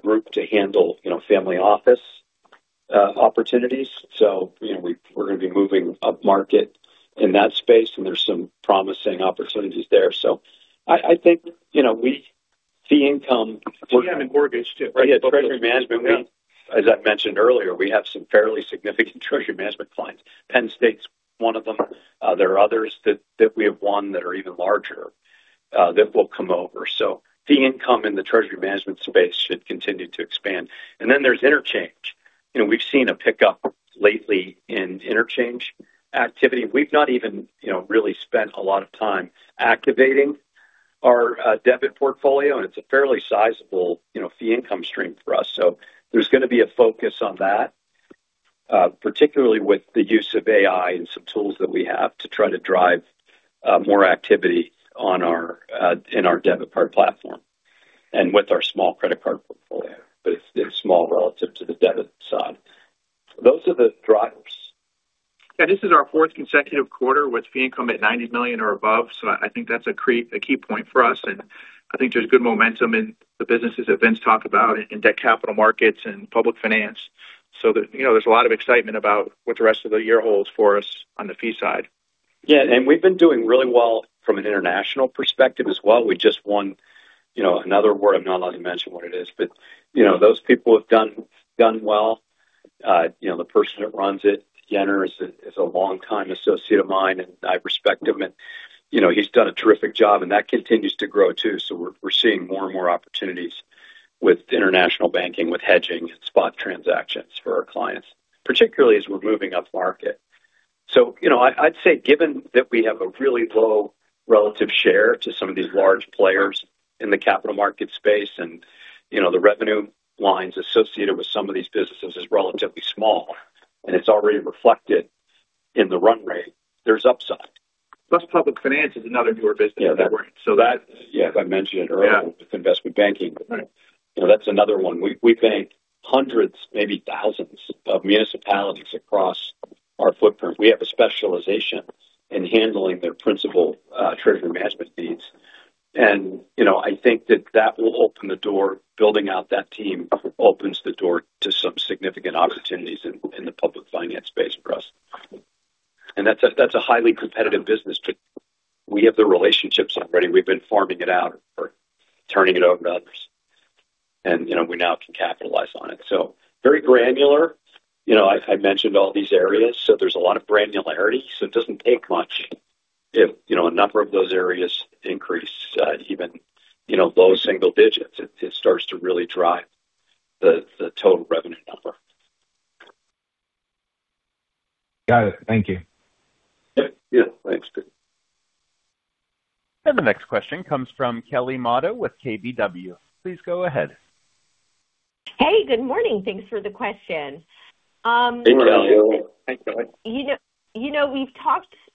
group to handle family office opportunities. We're going to be moving upmarket in that space, and there's some promising opportunities there. I think, fee income. We have in mortgage too, right? Yeah. Treasury management. As I mentioned earlier, we have some fairly significant treasury management clients. Pennsylvania State's one of them. There are others that we have won that are even larger, that will come over. Fee income in the treasury management space should continue to expand. There's interchange. We've seen a pickup lately in interchange activity. We've not even really spent a lot of time activating our debit portfolio, and it's a fairly sizable fee income stream for us. There's going to be a focus on that, particularly with the use of AI and some tools that we have to try to drive more activity in our debit card platform and with our small credit card portfolio. It's small relative to the debit side. Those are the drivers. Yeah, this is our fourth consecutive quarter with fee income at $90 million or above. I think that's a key point for us, and I think there's good momentum in the businesses that Vince talked about in debt capital markets and public finance. There's a lot of excitement about what the rest of the year holds for us on the fee side. Yeah. We've been doing really well from an international perspective as well. We just won another award. I'm not allowed to mention what it is, but those people have done well. The person that runs it, Yenner Karto, is a long-time associate of mine, and I respect him. He's done a terrific job, and that continues to grow too. We're seeing more and more opportunities with international banking, with hedging, spot transactions for our clients, particularly as we're moving upmarket. I'd say given that we have a really low relative share to some of these large players in the capital market space, and the revenue lines associated with some of these businesses is relatively small, and it's already reflected in the run rate, there's upside. Plus, public finance is another newer business. Yeah. So that- Yeah, as I mentioned earlier. Yeah With investment banking. Right. That's another one. We bank hundreds, maybe thousands of municipalities across our footprint. We have a specialization in handling their principal treasury management needs. I think that will open the door. Building out that team opens the door to some significant opportunities in the public finance space for us. That's a highly competitive business, but we have the relationships already. We've been farming it out or turning it over to others. We now can capitalize on it. Very granular. I mentioned all these areas, so there's a lot of granularity, so it doesn't take much. If a number of those areas increase even low single digits, it starts to really drive the total revenue number. Got it. Thank you. Yeah. Thanks. The next question comes from Kelly Motta with KBW. Please go ahead. Hey, good morning. Thanks for the question. Hey, Kelly. Thanks, Kelly.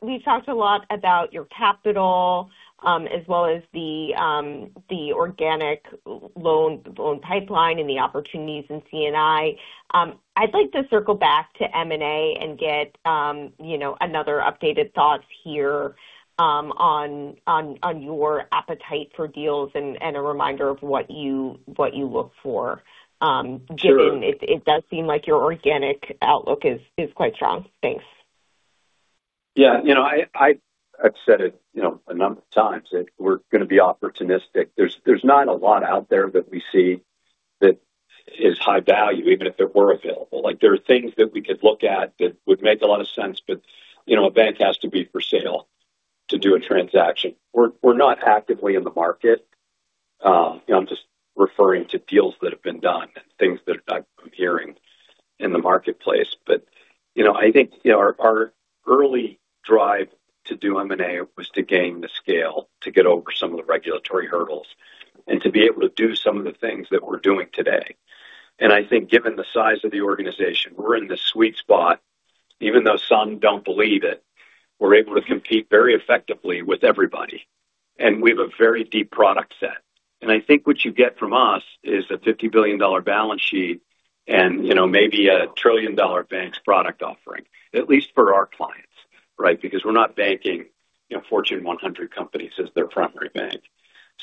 We've talked a lot about your capital, as well as the organic loan pipeline and the opportunities in C&I. I'd like to circle back to M&A and get another updated thoughts here on your appetite for deals and a reminder of what you look for. Sure given it does seem like your organic outlook is quite strong. Thanks. Yeah. I've said it a number of times that we're going to be opportunistic. There's not a lot out there that we see that is high value, even if it were available. There are things that we could look at that would make a lot of sense, but a bank has to be for sale to do a transaction. We're not actively in the market. I'm just referring to deals that have been done and things that I'm hearing in the marketplace. I think our early drive to do M&A was to gain the scale, to get over some of the regulatory hurdles, and to be able to do some of the things that we're doing today. I think given the size of the organization, we're in the sweet spot, even though some don't believe it. We're able to compete very effectively with everybody, and we have a very deep product set. I think what you get from us is a $50 billion balance sheet and maybe a trillion-dollar bank's product offering, at least for our clients. Because we're not banking Fortune 100 companies as their primary bank.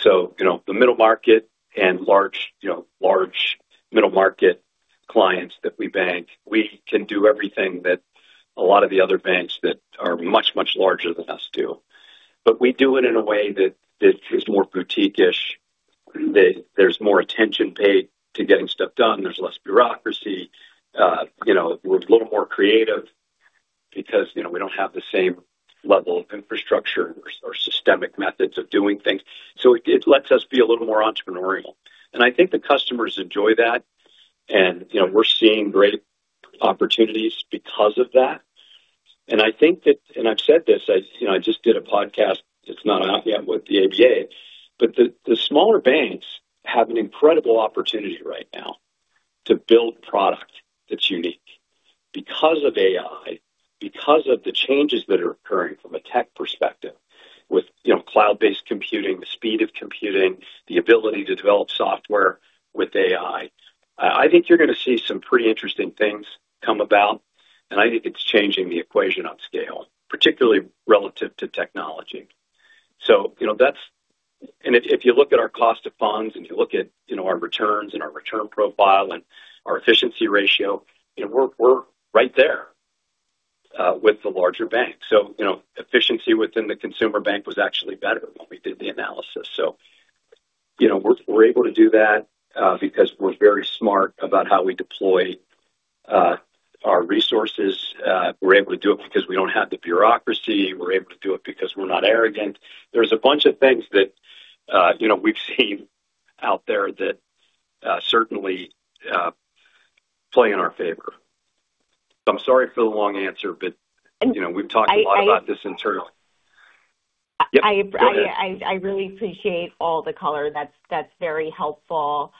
The middle market and large middle market clients that we bank, we can do everything that a lot of the other banks that are much, much larger than us do. We do it in a way that is more boutiquish, that there's more attention paid to getting stuff done. There's less bureaucracy. We're a little more creative because we don't have the same level of infrastructure or systemic methods of doing things. It lets us be a little more entrepreneurial. I think the customers enjoy that, and we're seeing great opportunities because of that. I think that, and I've said this, I just did a podcast. It's not out yet with the ABA. The smaller banks have an incredible opportunity right now to build product that's unique because of AI, because of the changes that are occurring from a tech perspective with cloud-based computing, the speed of computing, the ability to develop software with AI. I think you're going to see some pretty interesting things come about, and I think it's changing the equation on scale, particularly relative to technology. If you look at our cost of funds, and you look at our returns and our return profile and our efficiency ratio, we're right there with the larger banks. Efficiency within the consumer bank was actually better when we did the analysis. We're able to do that because we're very smart about how we deploy our resources. We're able to do it because we don't have the bureaucracy. We're able to do it because we're not arrogant. There's a bunch of things that we've seen out there that certainly play in our favor. I'm sorry for the long answer, but we've talked a lot about this internally. I- Yeah. Go ahead. I really appreciate all the color. That's very helpful.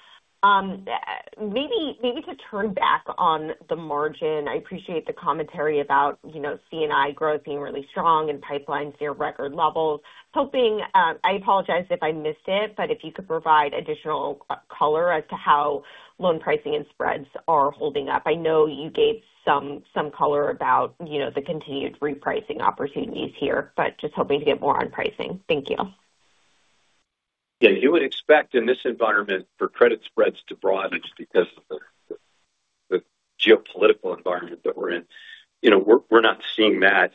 Maybe to turn back to the margin. I appreciate the commentary about C&I growth being really strong and pipelines near record levels. I apologize if I missed it, but if you could provide additional color as to how loan pricing and spreads are holding up? I know you gave some color about the continued repricing opportunities here, but just hoping to get more on pricing. Thank you. Yeah. You would expect in this environment for credit spreads to broaden just because of the geopolitical environment that we're in. We're not seeing that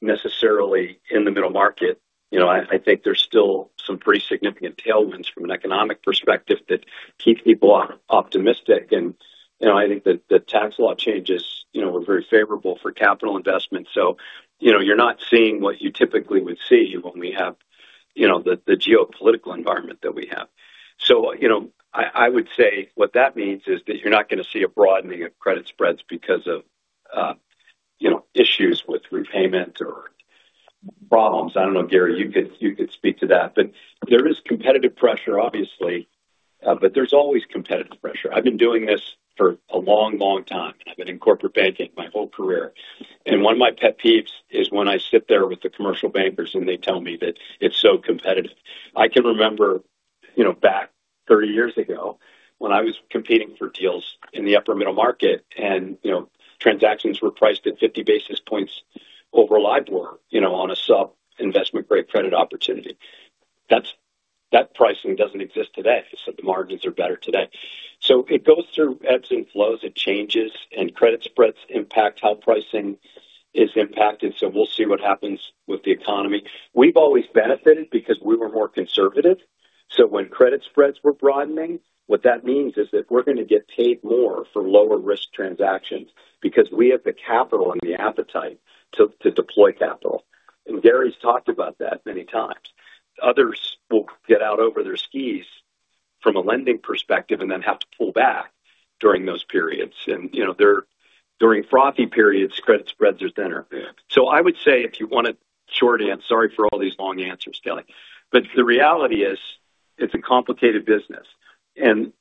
necessarily in the middle market. I think there's still some pretty significant tailwinds from an economic perspective that keep people optimistic. I think that tax law changes were very favorable for capital investment. You're not seeing what you typically would see when we have the geopolitical environment that we have. I would say what that means is that you're not going to see a broadening of credit spreads because of issues with repayment or problems. I don't know, Gary, you could speak to that. There is competitive pressure, obviously, but there's always competitive pressure. I've been doing this for a long time, and I've been in corporate banking my whole career. One of my pet peeves is when I sit there with the commercial bankers and they tell me that it's so competitive. I can remember back 30 years ago when I was competing for deals in the upper middle market and transactions were priced at 50 basis points over LIBOR on a sub-investment-grade credit opportunity. That pricing doesn't exist today. The margins are better today. It goes through ebbs and flows and changes, and credit spreads impact how pricing is impacted. We'll see what happens with the economy. We've always benefited because we were more conservative. When credit spreads were broadening, what that means is that we're going to get paid more for lower risk transactions because we have the capital and the appetite to deploy capital. Gary's talked about that many times. Others will get out over their skis from a lending perspective and then have to pull back during those periods. During frothy periods, credit spreads are thinner. Yeah. I would say if you want it short, and sorry for all these long answers, Kelly, but the reality is it's a complicated business. In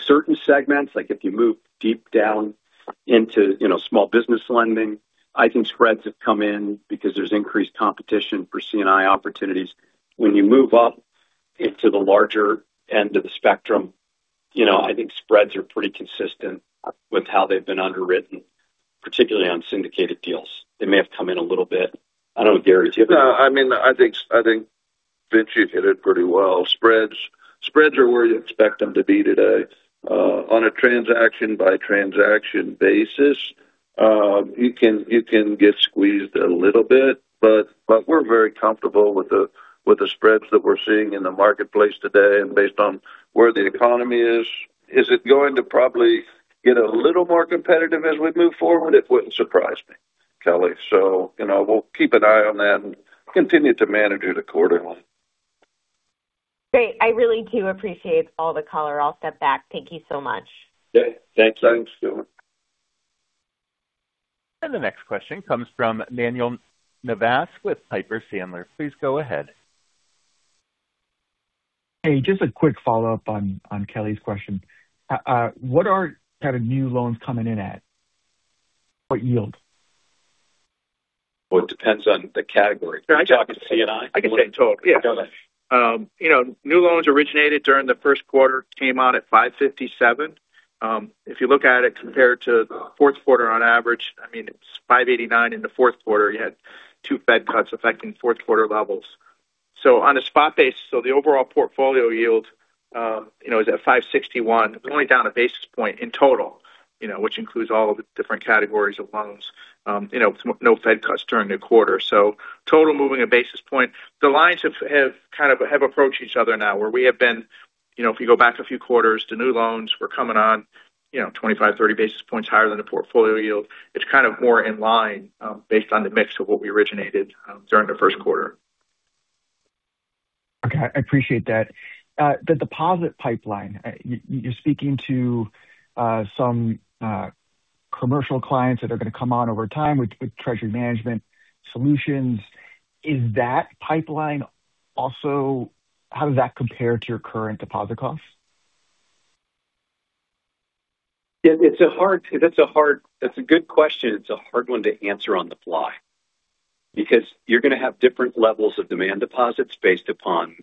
certain segments, like if you move deep down into small business lending, I think spreads have come in because there's increased competition for C&I opportunities. When you move up into the larger end of the spectrum, I think spreads are pretty consistent with how they've been underwritten, particularly on syndicated deals. They may have come in a little bit. I don't know, Gary. No. I think, Vince, you hit it pretty well. Spreads are where you expect them to be today. On a transaction-by-transaction basis, you can get squeezed a little bit, but we're very comfortable with the spreads that we're seeing in the marketplace today, and based on where the economy is. Is it going to probably get a little more competitive as we move forward? It wouldn't surprise me, Kelly. We'll keep an eye on that and continue to manage it quarterly. Great. I really do appreciate all the color. I'll step back. Thank you so much. Yeah. Thanks. Thanks, Kelly. The next question comes from Manuel Navas with Piper Sandler. Please go ahead. Hey, just a quick follow-up on Kelly's question. What are kind of new loans coming in at? What yield? Well, it depends on the category. Jack and C&I. I can take total. Yes. Go ahead. New loans originated during the Q1 came out at 5.57%. If you look at it compared to the Q4 on average, it's 5.89% in the Q4. You had 2 Fed cuts affecting Q4 levels. On a spot basis, the overall portfolio yield is at 5.61%. It's only down 1 basis point in total which includes all of the different categories of loans with no Fed cuts during the quarter. Total moving 1 basis point. The lines have approached each other now where we have been, if you go back a few quarters to new loans, we're coming on 25, 30 basis points higher than the portfolio yield. It's kind of more in line based on the mix of what we originated during the Q1. Okay. I appreciate that. The deposit pipeline. You're speaking to some commercial clients that are going to come on over time with treasury management solutions. Is that pipeline also, how does that compare to your current deposit costs? That's a good question. It's a hard one to answer on the fly because you're going to have different levels of demand deposits based upon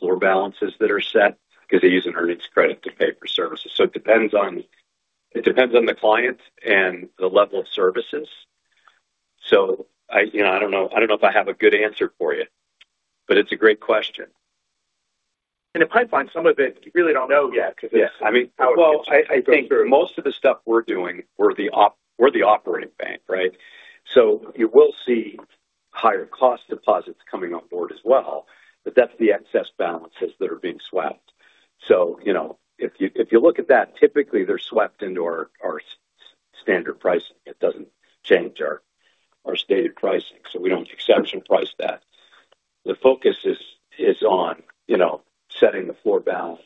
floor balances that are set because they use an earnings credit to pay for services. It depends on the client and the level of services. I don't know if I have a good answer for you, but it's a great question. The pipeline, some of it, you really don't know yet because it's. Yes. Well, I think most of the stuff we're doing, we're the operating bank, right? You will see higher cost deposits coming on board as well, but that's the excess balances that are being swept. If you look at that, typically they're swept into our standard pricing. It doesn't change our stated pricing. We don't exception price that. The focus is on setting the floor balance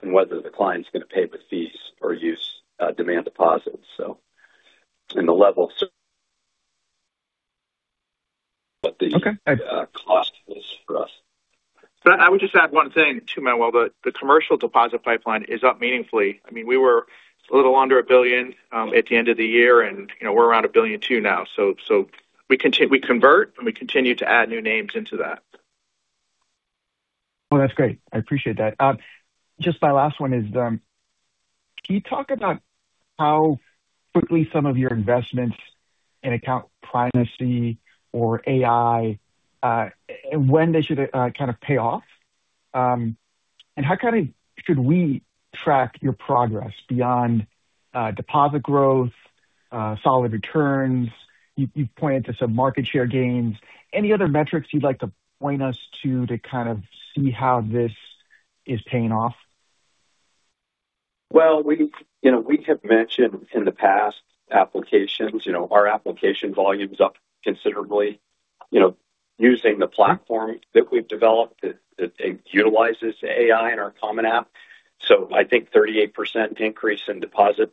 and whether the client's going to pay with fees or use demand deposits. Okay. Cost is for us. I would just add one thing, too, Manuel. The commercial deposit pipeline is up meaningfully. We were a little under $1 billion at the end of the year, and we're around $1.2 billion now. So we convert and we continue to add new names into that. Oh, that's great. I appreciate that. Just my last one is, can you talk about how quickly some of your investments in account primacy or AI, when they should kind of pay off? And how kind of should we track your progress beyond deposit growth, solid returns? You've pointed to some market share gains. Any other metrics you'd like to point us to kind of see how this is paying off? Well, we have mentioned in the past applications, our application volume's up considerably using the platform that we've developed that utilizes AI in our Common App. I think 38% increase in deposit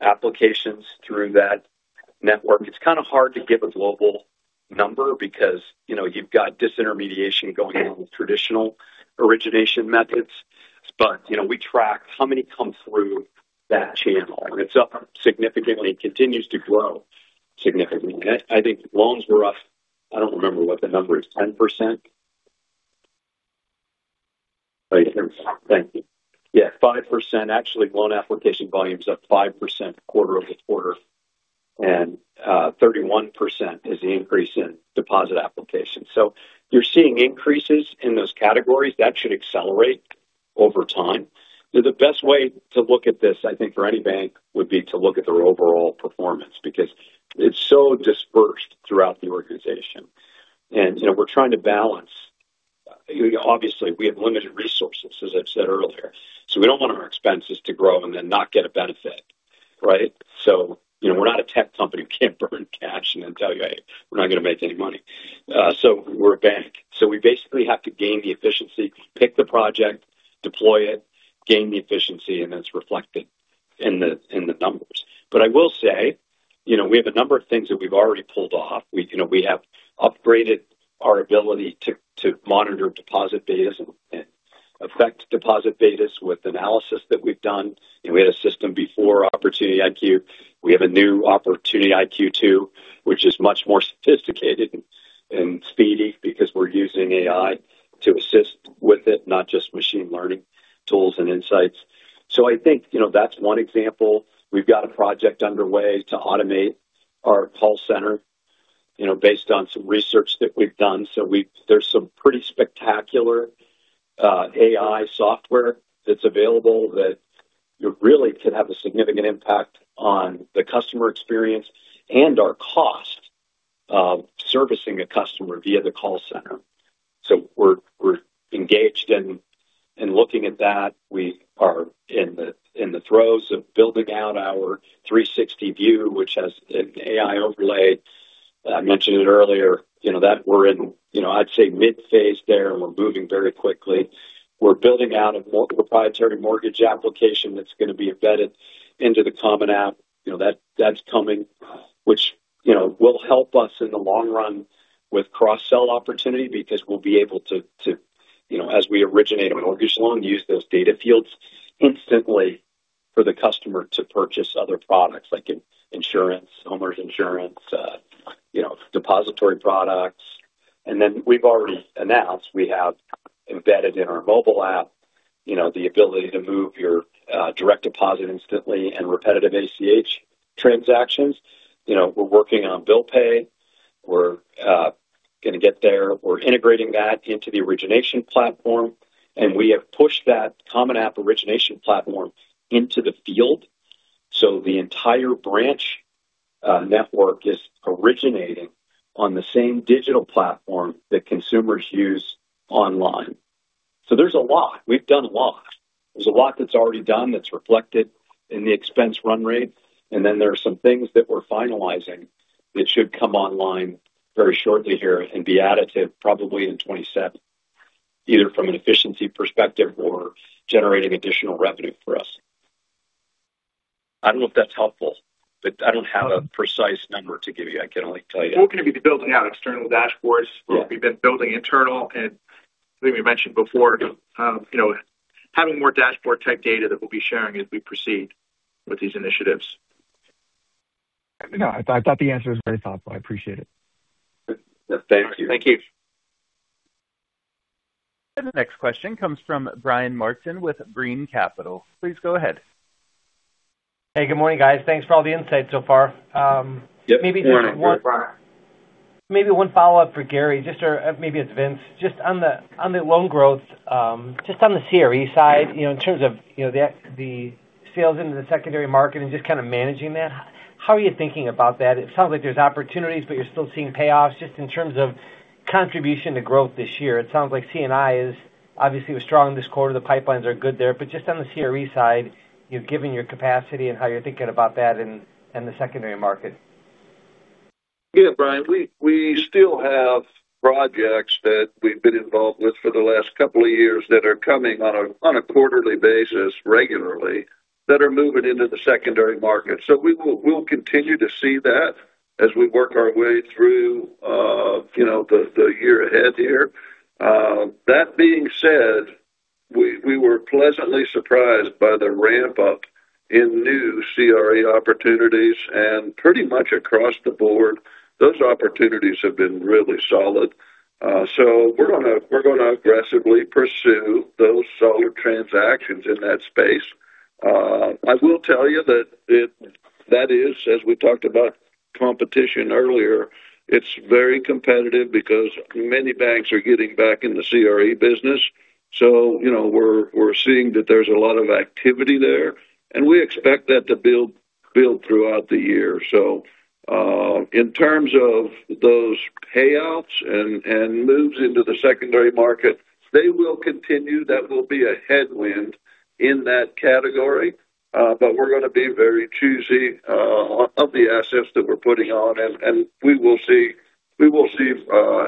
applications through that network. It's kind of hard to give a global number because you've got disintermediation going on with traditional origination methods. We track how many come through that channel, and it's up significantly. It continues to grow significantly. I think loans were up, I don't remember what the number is. 10%? Thank you. Yeah, 5%. Actually, loan application volume's up 5% quarter-over-quarter, and 31% is the increase in deposit applications. You're seeing increases in those categories. That should accelerate over time. The best way to look at this, I think, for any bank would be to look at their overall performance because it's so dispersed throughout the organization. We're trying to balance. Obviously, we have limited resources, as I've said earlier. We don't want our expenses to grow and then not get a benefit, right? We're not a tech company. We can't burn cash and then tell you, "Hey, we're not going to make any money." We're a bank. We basically have to gain the efficiency, pick the project, deploy it, gain the efficiency, and then it's reflected in the numbers. I will say, we have a number of things that we've already pulled off. We have upgraded our ability to monitor deposit betas and affect deposit betas with analysis that we've done. We had a system before Opportunity IQ. We have a new Opportunity IQ too, which is much more sophisticated and speedy because we're using AI to assist with it, not just machine learning tools and insights. I think that's one example. We've got a project underway to automate our call center based on some research that we've done. There's some pretty spectacular AI software that's available that really could have a significant impact on the customer experience and our cost of servicing a customer via the call center. We're engaged in looking at that. We are in the throes of building out our 360 view, which has an AI overlay. I mentioned it earlier that we're in, I'd say, mid phase there, and we're moving very quickly. We're building out a proprietary mortgage application that's going to be embedded into the common app. That's coming, which will help us in the long run with cross-sell opportunity because we'll be able to, as we originate a mortgage loan, use those data fields instantly for the customer to purchase other products like insurance, homeowner's insurance, depository products. Then we've already announced we have embedded in our mobile app the ability to move your direct deposit instantly and repetitive ACH transactions. We're working on bill pay. We're going to get there. We're integrating that into the origination platform, and we have pushed that Common App origination platform into the field. The entire branch network is originating on the same digital platform that consumers use online. There's a lot. We've done a lot. There's a lot that's already done that's reflected in the expense run rate. There are some things that we're finalizing that should come online very shortly here and be additive probably in 2027, either from an efficiency perspective or generating additional revenue for us. I don't know if that's helpful, but I don't have a precise number to give you. I can only tell you. We're going to be building out external dashboards. Yeah. We've been building internal and I think we mentioned before, having more dashboard type data that we'll be sharing as we proceed with these initiatives. No, I thought the answer was very thoughtful. I appreciate it. Thank you. Thank you. The next question comes from Brian Martin with Brean Capital. Please go ahead. Hey, good morning, guys. Thanks for all the insight so far. Good morning, Brian. Maybe one follow-up for Gary, or maybe it's Vince, just on the loan growth, just on the CRE side, in terms of the sales into the secondary market and just kind of managing that. How are you thinking about that? It sounds like there's opportunities, but you're still seeing payoffs. Just in terms of contribution to growth this year, it sounds like C&I was obviously strong this quarter. The pipelines are good there. But just on the CRE side, given your capacity and how you're thinking about that and the secondary market. Yeah, Brian, we still have projects that we've been involved with for the last couple of years that are coming on a quarterly basis regularly that are moving into the secondary market. We'll continue to see that as we work our way through the year ahead here. That being said, we were pleasantly surprised by the ramp up in new CRE opportunities and pretty much across the board, those opportunities have been really solid. We're going to aggressively pursue those solar transactions in that space. I will tell you that is, as we talked about competition earlier, it's very competitive because many banks are getting back in the CRE business. We're seeing that there's a lot of activity there, and we expect that to build throughout the year. In terms of those payouts and moves into the secondary market, they will continue. That will be a headwind in that category. We're going to be very choosy of the assets that we're putting on, and we will see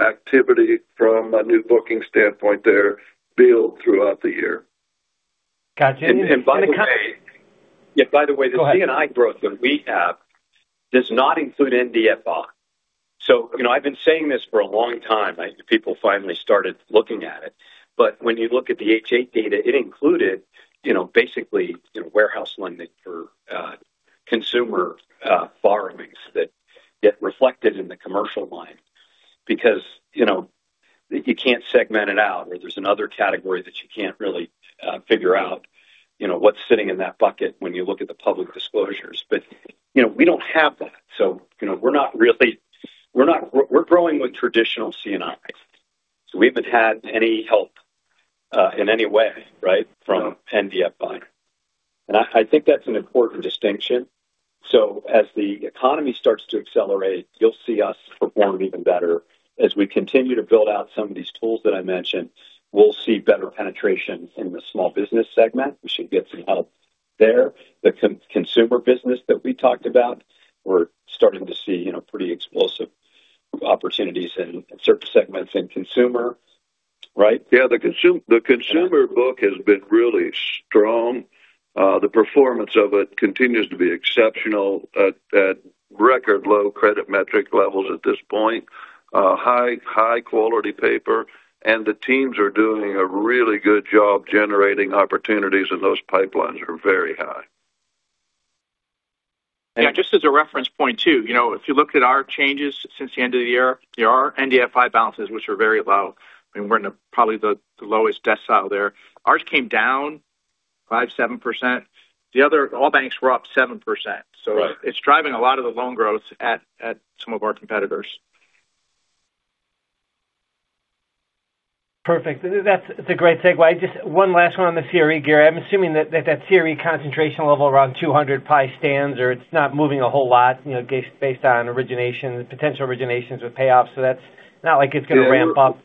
activity from a new booking standpoint there build throughout the year. Got you. By the way, the C&I growth that we have does not include NBFI. I've been saying this for a long time. People finally started looking at it, but when you look at the H.8 data, it included basically warehouse lending for consumer borrowings that get reflected in the commercial line because you can't segment it out or there's another category that you can't really figure out what's sitting in that bucket when you look at the public disclosures. We don't have that. We're growing with traditional C&I. We haven't had any help in any way from NBFI. I think that's an important distinction. As the economy starts to accelerate, you'll see us perform even better. As we continue to build out some of these tools that I mentioned, we'll see better penetration in the small business segment. We should get some help there. The consumer business that we talked about, we're starting to see pretty explosive opportunities in certain segments in consumer, right? Yeah. The consumer book has been really strong. The performance of it continues to be exceptional at record low credit metric levels at this point. High quality paper, and the teams are doing a really good job generating opportunities, and those pipelines are very high. Yeah. Just as a reference point too, if you look at our changes since the end of the year, there are NBFI balances, which are very low. I mean, we're in probably the lowest decile there. Ours came down 5%-7%. All banks were up 7%. Right. It's driving a lot of the loan growth at some of our competitors. Perfect. That's a great segue. Just one last one on the CRE, Gary. I'm assuming that that CRE concentration level around 200 probably stands, or it's not moving a whole lot, based on origination, the potential originations with payoffs. That's not like it's going to ramp up.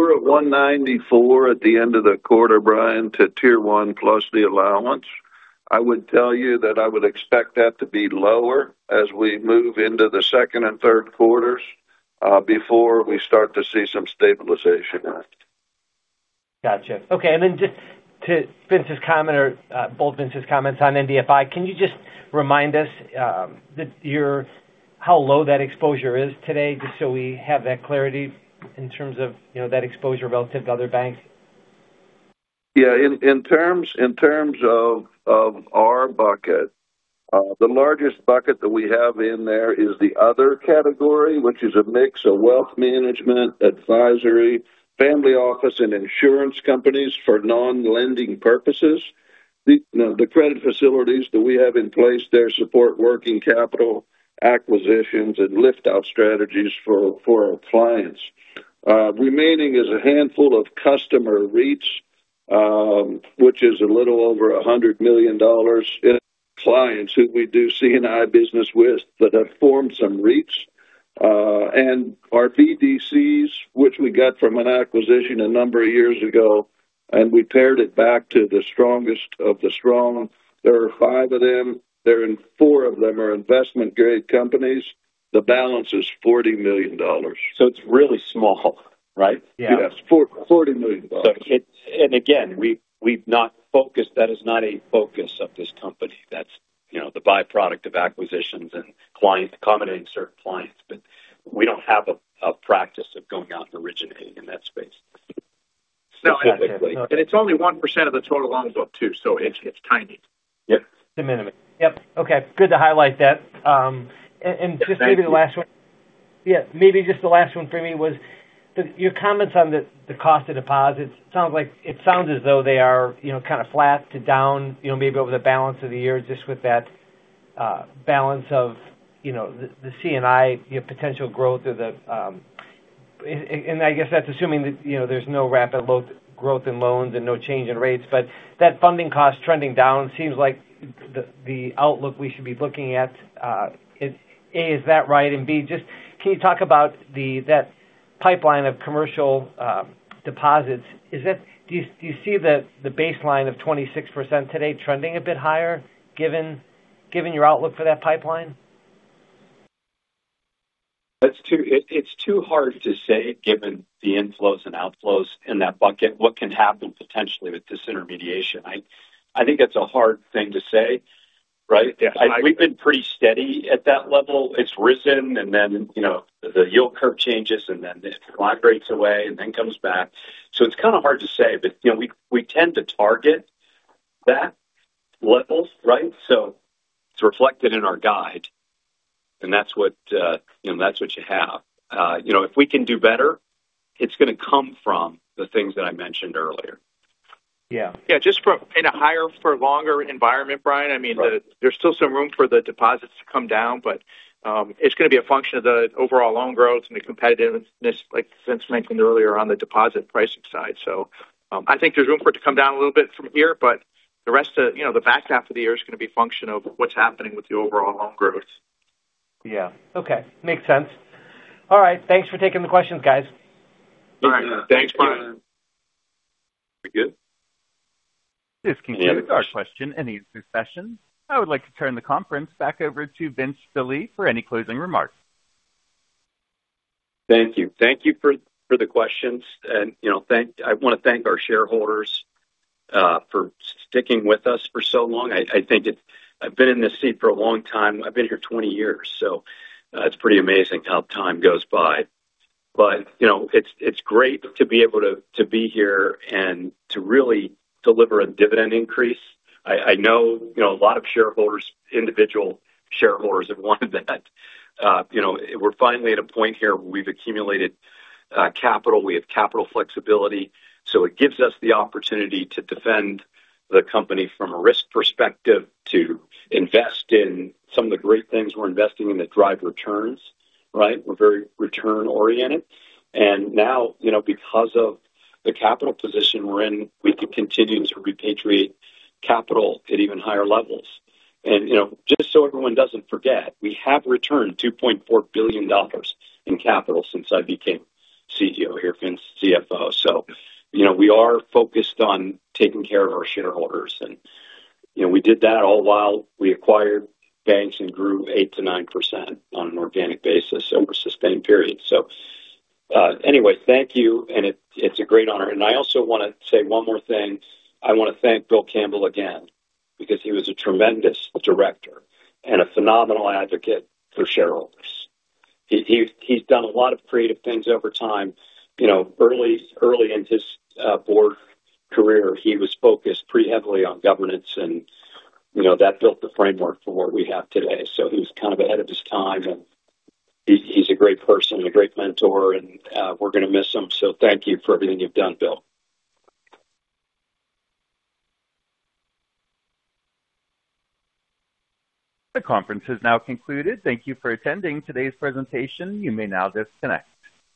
We're at 194 at the end of the quarter, Brian, to Tier 1 plus the allowance. I would tell you that I would expect that to be lower as we move into the Q2 and Q3, before we start to see some stabilization in it. Got you. Okay. Just to Vince's comment or both Vince's comments on NBFI, can you just remind us how low that exposure is today, just so we have that clarity in terms of that exposure relative to other banks? Yeah. In terms of our bucket, the largest bucket that we have in there is the other category, which is a mix of wealth management, advisory, family office, and insurance companies for non-lending purposes. The credit facilities that we have in place there support working capital acquisitions and lift-out strategies for our clients. Remaining is a handful of customer REITs, which is a little over $100 million in clients who we do C&I business with that have formed some REITs. Our BDCs, which we got from an acquisition a number of years ago, and we pared it back to the strongest of the strong. There are 5 of them. 4 of them are investment-grade companies. The balance is $40 million. It's really small, right? Yes. $40 million. Again, that is not a focus of this company. That's the by-product of acquisitions and accommodating certain clients. We don't have a practice of going out and originating in that space specifically. It's only 1% of the total loans book too, so it's tiny. Yes. Yep. Okay. Good to highlight that. Thank you. Just maybe the last one for me was your comments on the cost of deposits. It sounds as though they are kind of flat to down, maybe over the balance of the year, just with that balance of the C&I potential growth and I guess that's assuming that there's no rapid growth in loans and no change in rates. But that funding cost trending down seems like the outlook we should be looking at. A, is that right? B, just can you talk about that pipeline of commercial deposits. Do you see the baseline of 26% today trending a bit higher given your outlook for that pipeline? It's too hard to say given the inflows and outflows in that bucket, what can happen potentially with disintermediation. I think it's a hard thing to say, right? Yeah. We've been pretty steady at that level. It's risen and then the yield curve changes and then it migrates away and then comes back. It's kind of hard to say. We tend to target that level, right? It's reflected in our guide, and that's what you have. If we can do better, it's going to come from the things that I mentioned earlier. Yeah. Yeah. Just in a higher for longer environment, Brian, I mean. Right. There's still some room for the deposits to come down. It's going to be a function of the overall loan growth and the competitiveness, like Vince mentioned earlier, on the deposit pricing side. I think there's room for it to come down a little bit from here, but the back half of the year is going to be a function of what's happening with the overall loan growth. Yeah. Okay. Makes sense. All right. Thanks for taking the questions, guys. All right. Thanks, Brian. Are we good? This concludes our question-and-answer session. I would like to turn the conference back over to Vince Delie for any closing remarks. Thank you. Thank you for the questions. I want to thank our shareholders for sticking with us for so long. I've been in this seat for a long time. I've been here 20 years. It's pretty amazing how time goes by. It's great to be able to be here and to really deliver a dividend increase. I know a lot of shareholders, individual shareholders have wanted that. We're finally at a point here where we've accumulated capital. We have capital flexibility. It gives us the opportunity to defend the company from a risk perspective to invest in some of the great things we're investing in that drive returns, right? We're very return-oriented. Now because of the capital position we're in, we can continue to repatriate capital at even higher levels. Just so everyone doesn't forget, we have returned $2.4 billion in capital since I became CEO here, Vince, CFO. We are focused on taking care of our shareholders, and we did that all while we acquired banks and grew 8%-9% on an organic basis over a sustained period. Anyway, thank you, and it's a great honor. I also want to say one more thing. I want to thank Bill Campbell again because he was a tremendous Director and a phenomenal advocate for shareholders. He's done a lot of creative things over time. Early in his board career, he was focused pretty heavily on governance, and that built the framework for what we have today. He was kind of ahead of his time, and he's a great person and a great mentor, and we're going to miss him. Thank you for everything you've done, Bill. The conference has now concluded. Thank you for attending today's presentation. You may now disconnect.